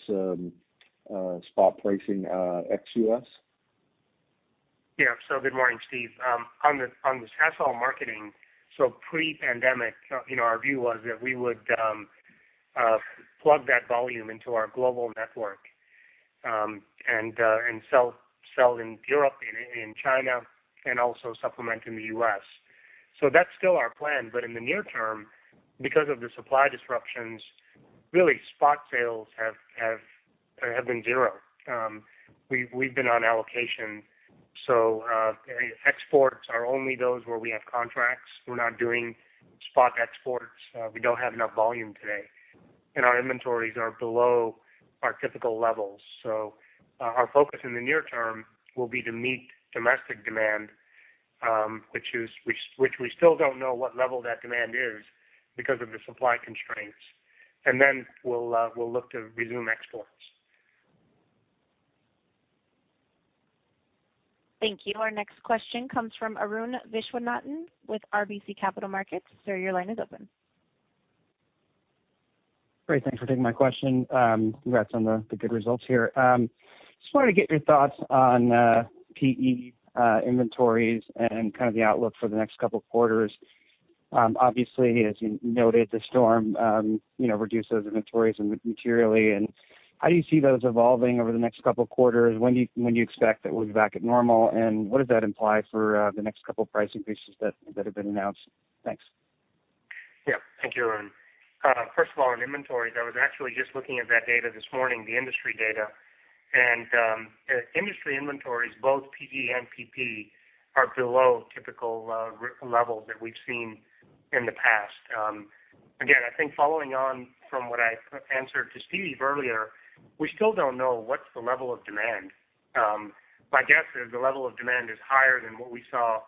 spot pricing ex-U.S.? Yeah. Good morning, Steve. On the Sasol marketing, so pre-pandemic our view was that we would plug that volume into our global network, and sell in Europe and in China, and also supplement in the U.S. That's still our plan, but in the near term, because of the supply disruptions, really spot sales have been zero. We've been on allocation. Exports are only those where we have contracts. We're not doing spot exports. We don't have enough volume today. Our inventories are below our typical levels. Our focus in the near-term will be to meet domestic demand, which we still don't know what level that demand is because of the supply constraints. We'll look to resume exports. Thank you. Our next question comes from Arun Viswanathan with RBC Capital Markets. Sir, your line is open. Great. Thanks for taking my question. Congrats on the good results here. Just wanted to get your thoughts on PE inventories and kind of the outlook for the next couple of quarters. Obviously, as you noted, the storm reduced those inventories materially, and how do you see those evolving over the next couple of quarters? When do you expect that we'll be back at normal, and what does that imply for the next couple of price increases that have been announced? Thanks. Yeah. Thank you, Arun. First of all, on inventories, I was actually just looking at that data this morning, the industry data. Industry inventories, both PE and PP, are below typical levels that we've seen in the past. Again, I think following on from what I answered to Steve earlier, we still don't know what's the level of demand. My guess is the level of demand is higher than what we saw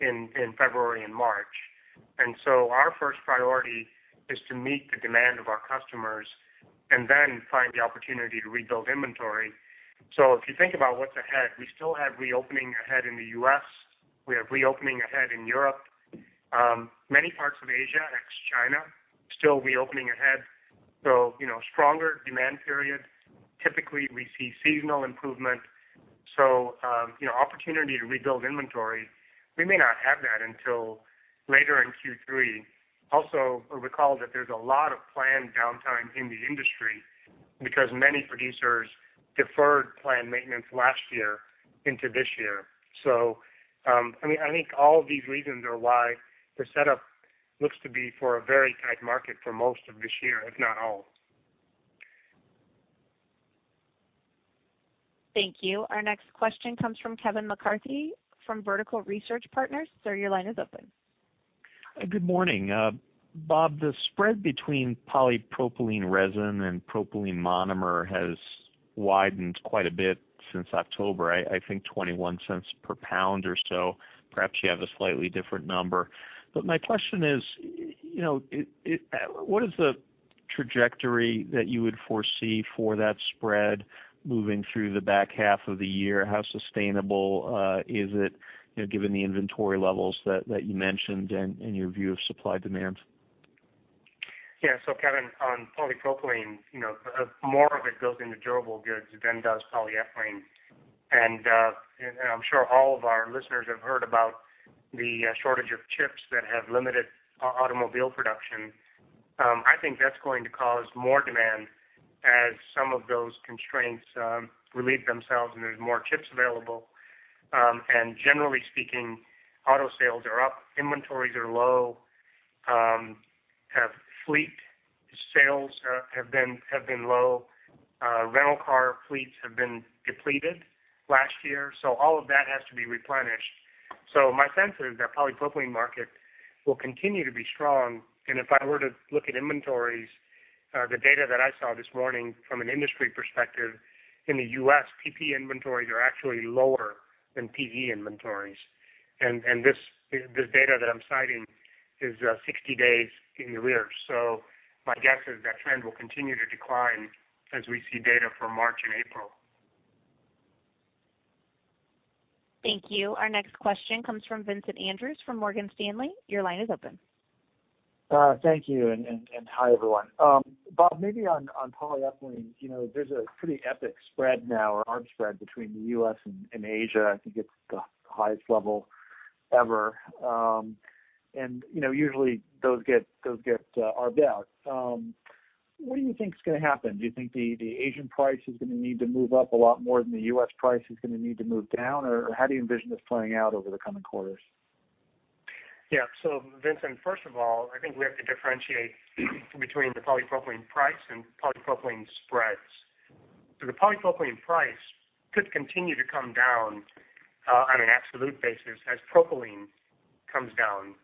in February and March. Our first priority is to meet the demand of our customers, and then find the opportunity to rebuild inventory. If you think about what's ahead, we still have reopening ahead in the U.S. We have reopening ahead in Europe. Many parts of Asia, ex-China, still reopening ahead. Stronger demand period. Typically, we see seasonal improvement. Opportunity to rebuild inventory, we may not have that until later in Q3. Also, recall that there's a lot of planned downtime in the industry because many producers deferred planned maintenance last year into this year. I think all of these reasons are why the setup looks to be for a very tight market for most of this year, if not all. Thank you. Our next question comes from Kevin McCarthy from Vertical Research Partners. Sir, your line is open. Good morning. Bob, the spread between polypropylene resin and propylene monomer has widened quite a bit since October, I think $0.21 per pound or so. Perhaps you have a slightly different number. My question is, what is the trajectory that you would foresee for that spread moving through the back half of the year? How sustainable is it given the inventory levels that you mentioned and your view of supply demands? Kevin, on polypropylene, more of it goes into durable goods than does polyethylene. I'm sure all of our listeners have heard about the shortage of chips that have limited automobile production. I think that's going to cause more demand as some of those constraints relieve themselves and there's more chips available. Generally speaking, auto sales are up, inventories are low. Fleet sales have been low. Rental car fleets have been depleted last year. All of that has to be replenished. My sense is that polypropylene market will continue to be strong. If I were to look at inventories, the data that I saw this morning from an industry perspective in the U.S., PP inventories are actually lower than PE inventories. This data that I'm citing is 60 days in the rear. My guess is that trend will continue to decline as we see data for March and April. Thank you. Our next question comes from Vincent Andrews from Morgan Stanley. Your line is open. Thank you, and hi, everyone. Bob, maybe on polyethylene, there's a pretty epic spread now, or arb spread between the U.S. and Asia. I think it's the highest level ever. Usually those get arbed out. What do you think is going to happen? Do you think the Asian price is going to need to move up a lot more than the U.S. price is going to need to move down? How do you envision this playing out over the coming quarters? Vincent, first of all, I think we have to differentiate between the polypropylene price and polypropylene spreads. The polypropylene price could continue to come down on an absolute basis as propylene comes down,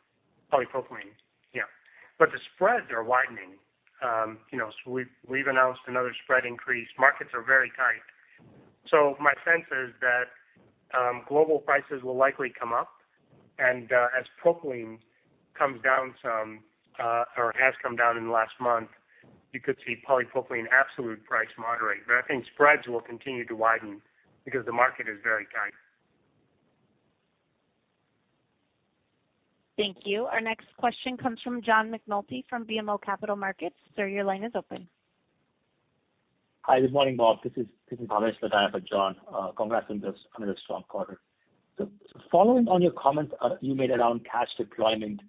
polypropylene. The spreads are widening. We've announced another spread increase. Markets are very tight. My sense is that global prices will likely come up and as propylene comes down some, or has come down in the last month, you could see polypropylene absolute price moderate. I think spreads will continue to widen because the market is very tight. Thank you. Our next question comes from John McNulty from BMO Capital Markets. Sir, your line is open. Hi, good morning, Bob. This is Bhavesh Lodaya for John. Congrats on another strong quarter. Following on your comments you made around cash deployment.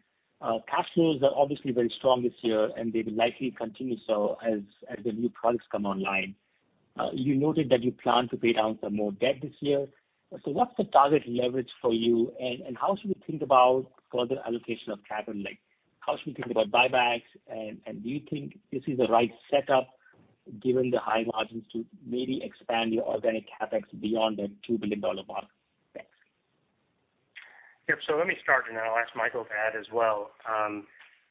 Cash flows are obviously very strong this year, and they will likely continue so as the new products come online. You noted that you plan to pay down some more debt this year. What's the target leverage for you, and how should we think about further allocation of capital? How should we think about buybacks, and do you think this is the right setup, given the high margins to maybe expand your organic CapEx beyond the $2 billion mark? Thanks. Yep. Let me start, and then I'll ask Michael to add as well.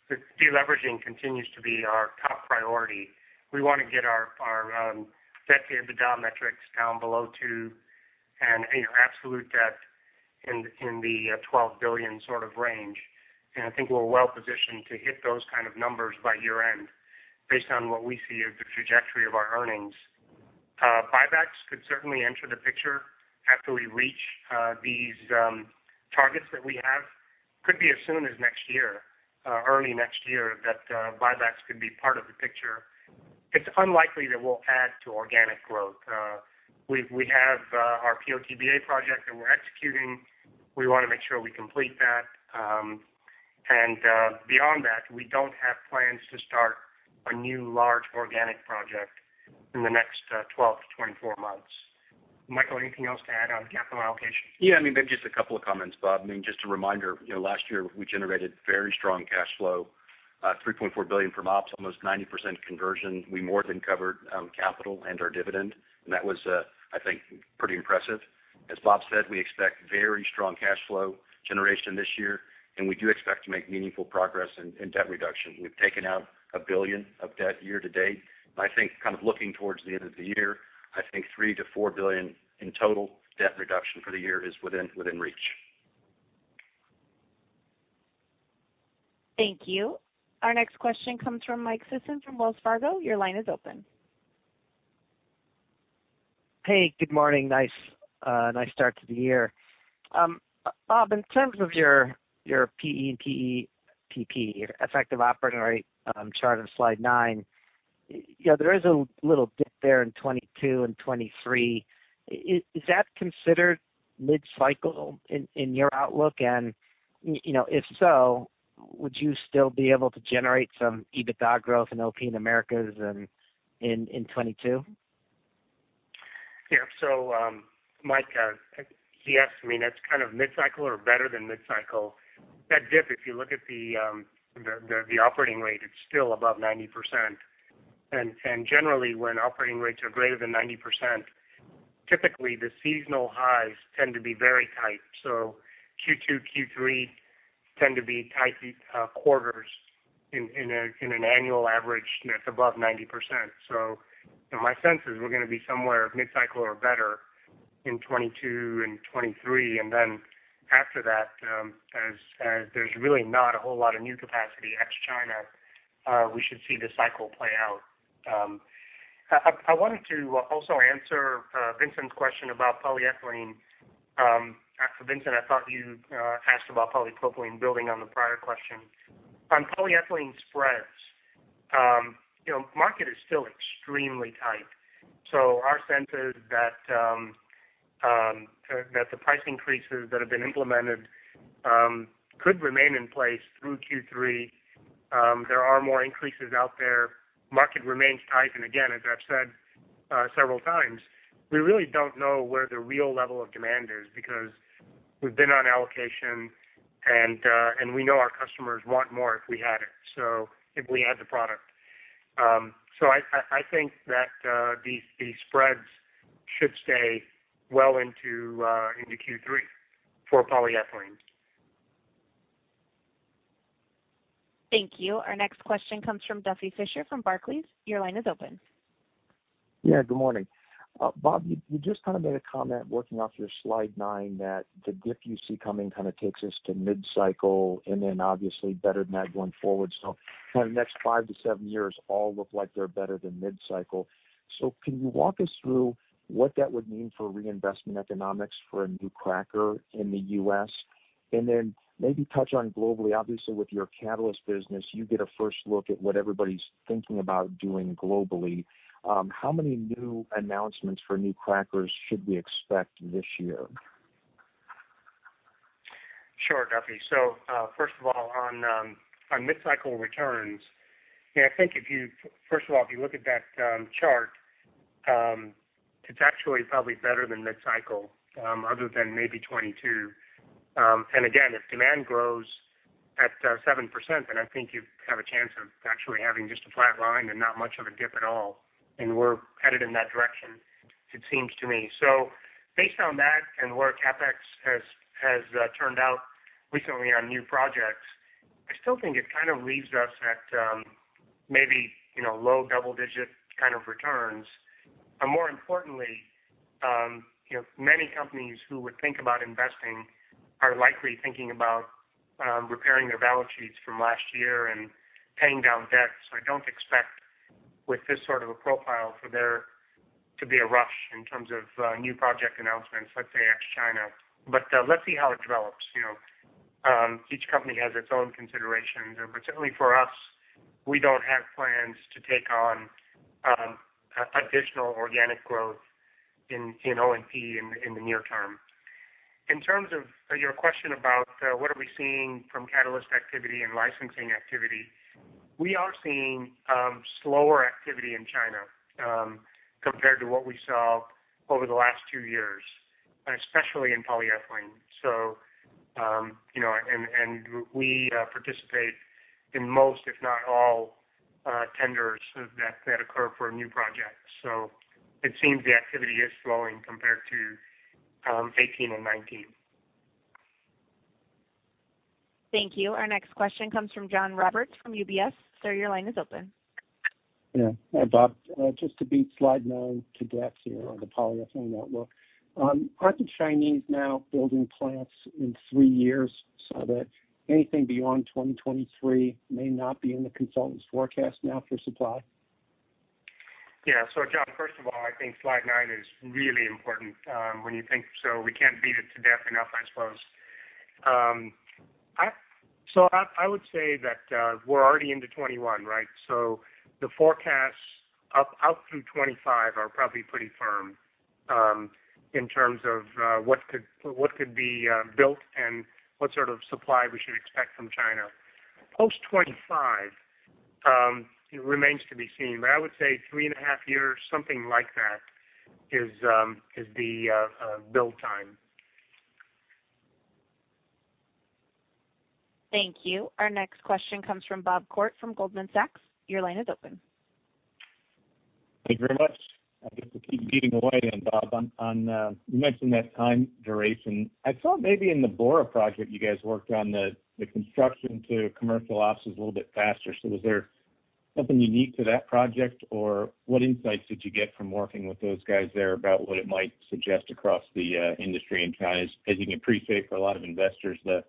The de-leveraging continues to be our top priority. We want to get our debt-to-EBITDA metrics down below two and absolute debt in the $12 billion range. I think we're well positioned to hit those kind of numbers by year-end based on what we see as the trajectory of our earnings. Buybacks could certainly enter the picture after we reach these targets that we have. Could be as soon as next year, early next year, that buybacks could be part of the picture. It's unlikely that we'll add to organic growth. We have our PO/TBA project that we're executing. We want to make sure we complete that. Beyond that, we don't have plans to start a new large organic project in the next 12-24 months. Michael, anything else to add on capital allocation? Yeah, maybe just a couple of comments, Bob. Just a reminder, last year we generated very strong cash flow, $3.4 billion from ops, almost 90% conversion. We more than covered capital and our dividend, and that was, I think, pretty impressive. As Bob said, we expect very strong cash flow generation this year, and we do expect to make meaningful progress in debt reduction. We've taken out 1 billion of debt year-to-date, and I think kind of looking towards the end of the year, I think $3 billion to $4 billion in total debt reduction for the year is within reach. Thank you. Our next question comes from Mike Sison from Wells Fargo. Your line is open. Hey, good morning. Nice start to the year. Bob, in terms of your PE and PP, your effective operating rate, chart on slide nine, there is a little dip there in 2022 and 2023. Is that considered mid-cycle in your outlook? If so, would you still be able to generate some EBITDA growth in O&P in Americas in 2022? Mike, yes. It's kind of mid-cycle or better than mid-cycle. That dip, if you look at the operating rate, it's still above 90%. Generally, when operating rates are greater than 90%, typically the seasonal highs tend to be very tight. Q2, Q3 tend to be tight quarters in an annual average that's above 90%. My sense is we're going to be somewhere mid-cycle or better in 2022 and 2023, and then after that, as there's really not a whole lot of new capacity ex-China, we should see the cycle play out. I wanted to also answer Vincent's question about polyethylene. Vincent, I thought you asked about polypropylene building on the prior question. On polyethylene spreads, market is still extremely tight. Our sense is that the price increases that have been implemented could remain in place through Q3. There are more increases out there. Market remains tight, and again, as I've said several times, we really don't know where the real level of demand is because we've been on allocation, and we know our customers want more if we had it. If we had the product. I think that these spreads should stay well into Q3 for polyethylene. Thank you. Our next question comes from Duffy Fischer from Barclays. Your line is open. Yeah, good morning. Bob, you just kind of made a comment working off your slide nine that the dip you see coming kind of takes us to mid-cycle and then obviously better than that going forward. Kind of next five to seven years all look like they're better than mid-cycle. Can you walk us through what that would mean for reinvestment economics for a new cracker in the U.S.? Then maybe touch on globally. Obviously, with your catalyst business, you get a first look at what everybody's thinking about doing globally. How many new announcements for new crackers should we expect this year? Sure, Duffy. First of all, on mid-cycle returns, I think, first of all, if you look at that chart, it's actually probably better than mid-cycle, other than maybe 2022. Again, if demand grows at 7%, then I think you have a chance of actually having just a flat line and not much of a dip at all, and we're headed in that direction, it seems to me. Based on that and where CapEx has turned out recently on new projects, I still think it kind of leaves us at maybe low double-digit kind of returns. More importantly, many companies who would think about investing are likely thinking about repairing their balance sheets from last year and paying down debt. I don't expect with this sort of a profile for there to be a rush in terms of new project announcements, let's say at China. Let's see how it develops. Each company has its own considerations, but certainly for us, we don't have plans to take on additional organic growth in O&P in the near-term. In terms of your question about what are we seeing from catalyst activity and licensing activity, we are seeing slower activity in China, compared to what we saw over the last two years, and especially in polyethylene. We participate in most, if not all, tenders that occur for a new project. It seems the activity is slowing compared to 2018 and 2019. Thank you. Our next question comes from John Roberts from UBS. Sir, your line is open. Yeah. Hi, Bob. Just to beat slide nine to death here on the polyethylene outlook. Aren't the Chinese now building plants in three years so that anything beyond 2023 may not be in the consultants' forecast now for supply? Yeah. John, first of all, I think slide nine is really important. We can't beat it to death enough, I suppose. I would say that we're already into 2021, right? The forecasts out through 2025 are probably pretty firm, in terms of what could be built and what sort of supply we should expect from China. Post 2025, it remains to be seen. I would say three and a half years, something like that is the build time. Thank you. Our next question comes from Bob Koort from Goldman Sachs. Your line is open. Thank you very much. I guess we'll keep beating away then, Bob. You mentioned that time duration. I saw maybe in the Bora project you guys worked on, the construction to commercial ops was a little bit faster. Was there something unique to that project? What insights did you get from working with those guys there about what it might suggest across the industry in China? As you can appreciate, for a lot of investors, the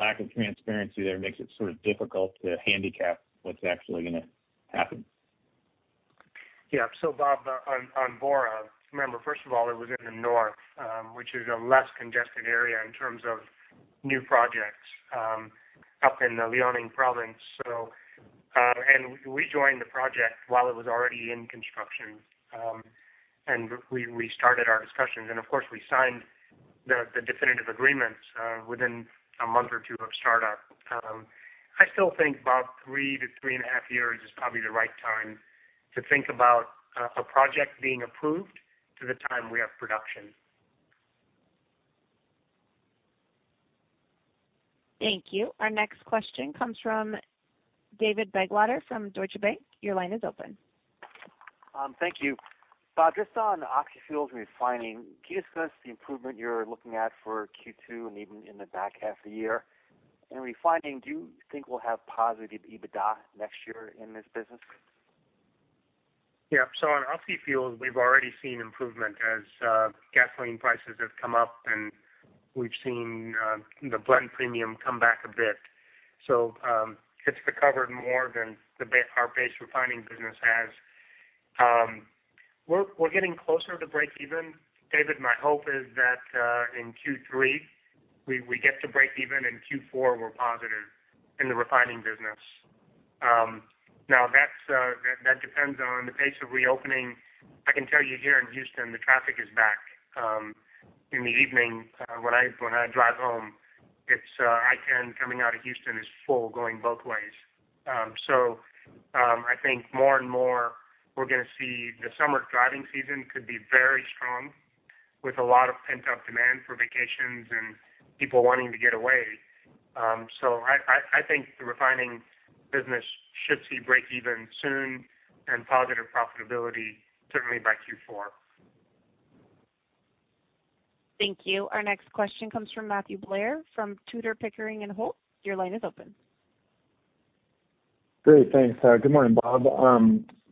lack of transparency there makes it sort of difficult to handicap what's actually going to happen. Yeah. Bob Koort, on Bora, remember, first of all, it was in the north, which is a less congested area in terms of new projects, up in the Liaoning province. We joined the project while it was already in construction. We started our discussions, and of course, we signed the definitive agreements within a month or two of startup. I still think, Bob Koort, 3 to 3.5 years is probably the right time to think about a project being approved to the time we have production. Thank you. Our next question comes from David Begleiter from Deutsche Bank. Your line is open. Thank you. Bob, just on oxy fuels refining, can you discuss the improvement you're looking at for Q2 and even in the back half of the year? In refining, do you think we'll have positive EBITDA next year in this business? On oxy fuels, we've already seen improvement as gasoline prices have come up, and we've seen the blend premium come back a bit. It's recovered more than our base refining business has. We're getting closer to breakeven. David, my hope is that in Q3 we get to breakeven, and Q4 we're positive in the refining business. Now that depends on the pace of reopening. I can tell you here in Houston, the traffic is back. In the evening, when I drive home, I-10 coming out of Houston is full going both ways. I think more and more we're going to see the summer driving season could be very strong with a lot of pent-up demand for vacations and people wanting to get away. I think the refining business should see breakeven soon and positive profitability certainly by Q4. Thank you. Our next question comes from Matthew Blair from Tudor, Pickering, Holt. Your line is open. Great. Thanks. Good morning, Bob.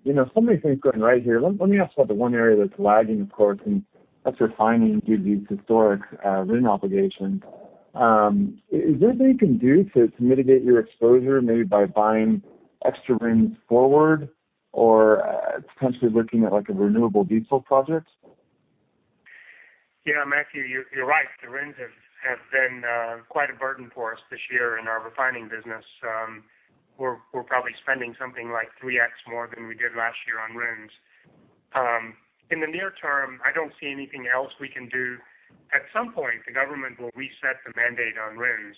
Many things going right here. Let me ask about the one area that's lagging, of course, and that's refining due to these historic RIN obligations. Is there anything you can do to mitigate your exposure, maybe by buying extra RINs forward? Potentially looking at a renewable diesel project? Yeah, Matthew, you're right. The RINs have been quite a burden for us this year in our refining business. We're probably spending something like 3x more than we did last year on RINs. In the near-term, I don't see anything else we can do. At some point, the government will reset the mandate on RINs,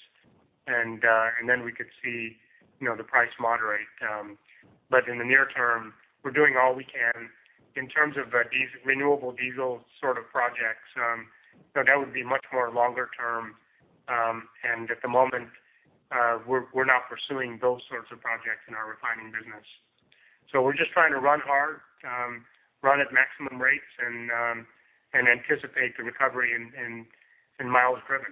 then we could see the price moderate. In the near term, we're doing all we can. In terms of these renewable diesel sort of projects, that would be much more longer term. At the moment, we're not pursuing those sorts of projects in our refining business. We're just trying to run hard, run at maximum rates, and anticipate the recovery in miles driven.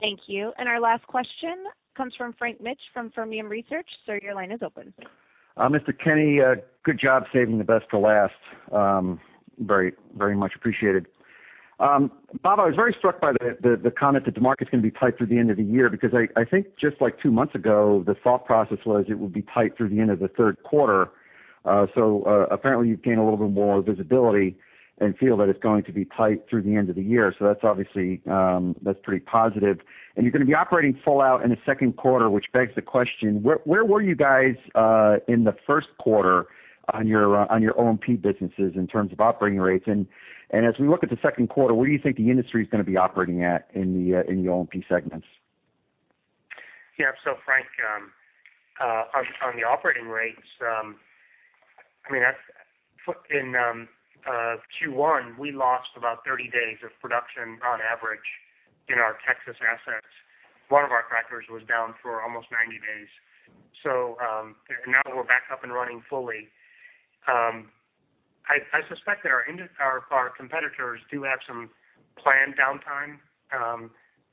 Thank you. Our last question comes from Frank Mitsch from Fermium Research. Sir, your line is open. Mr. Kinney, good job saving the best to last. Very much appreciated. Bob, I was very struck by the comment that the market's going to be tight through the end of the year because I think just two months ago, the thought process was it would be tight through the end of the third quarter. Apparently, you've gained a little bit more visibility and feel that it's going to be tight through the end of the year. That's obviously pretty positive. You're going to be operating full out in the second quarter, which begs the question, where were you guys in the first quarter on your O&P businesses in terms of operating rates? As we look at the second quarter, where do you think the industry's going to be operating at in the O&P segments? Frank, on the operating rates, in Q1, we lost about 30 days of production on average in our Texas assets. One of our crackers was down for almost 90 days. Now we're back up and running fully. I suspect that our competitors do have some planned downtime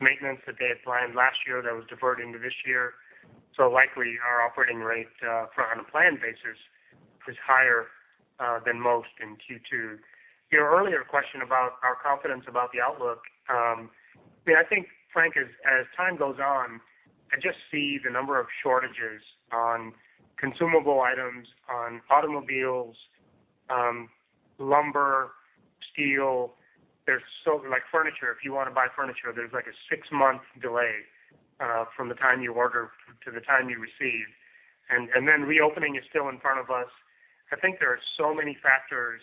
maintenance that they had planned last year that was deferred into this year. Likely our operating rate on a planned basis is higher than most in Q2. Your earlier question about our confidence about the outlook. I think Frank, as time goes on, I just see the number of shortages on consumable items, on automobiles, lumber, steel. Like furniture, if you want to buy furniture, there's a six-month delay from the time you order to the time you receive. Reopening is still in front of us. I think there are so many factors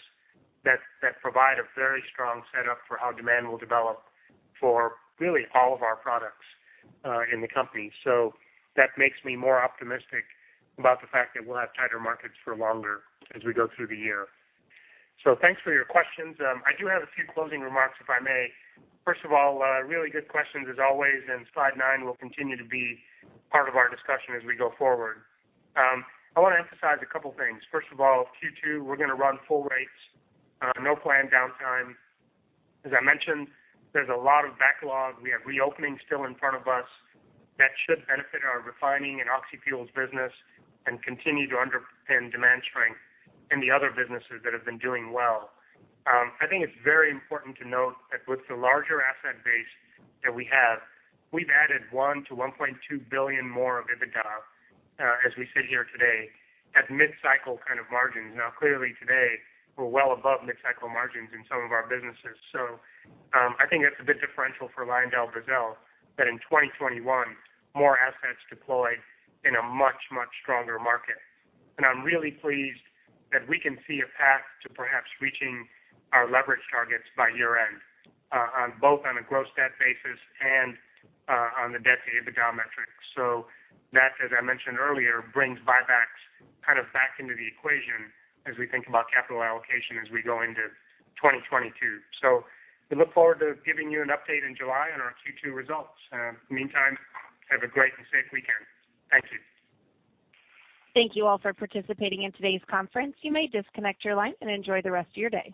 that provide a very strong setup for how demand will develop for really all of our products in the company. That makes me more optimistic about the fact that we'll have tighter markets for longer as we go through the year. Thanks for your questions. I do have a few closing remarks, if I may. First of all, really good questions as always. Slide nine will continue to be part of our discussion as we go forward. I want to emphasize a couple of things. First of all, Q2, we're going to run full rates, no planned downtime. As I mentioned, there's a lot of backlog. We have reopening still in front of us. That should benefit our refining and oxy fuels business and continue to underpin demand strength in the other businesses that have been doing well. I think it's very important to note that with the larger asset base that we have, we've added $1 billion-$1.2 billion more of EBITDA as we sit here today at mid-cycle kind of margins. Now, clearly today, we're well above mid-cycle margins in some of our businesses. I think that's a big differential for LyondellBasell, that in 2021, more assets deployed in a much, much stronger market. I'm really pleased that we can see a path to perhaps reaching our leverage targets by year-end, both on a gross debt basis and on the debt-to-EBITDA metrics. That, as I mentioned earlier, brings buybacks back into the equation as we think about capital allocation as we go into 2022. We look forward to giving you an update in July on our Q2 results. In the meantime, have a great and safe weekend. Thank you. Thank you all for participating in today's conference. You may disconnect your line and enjoy the rest of your day.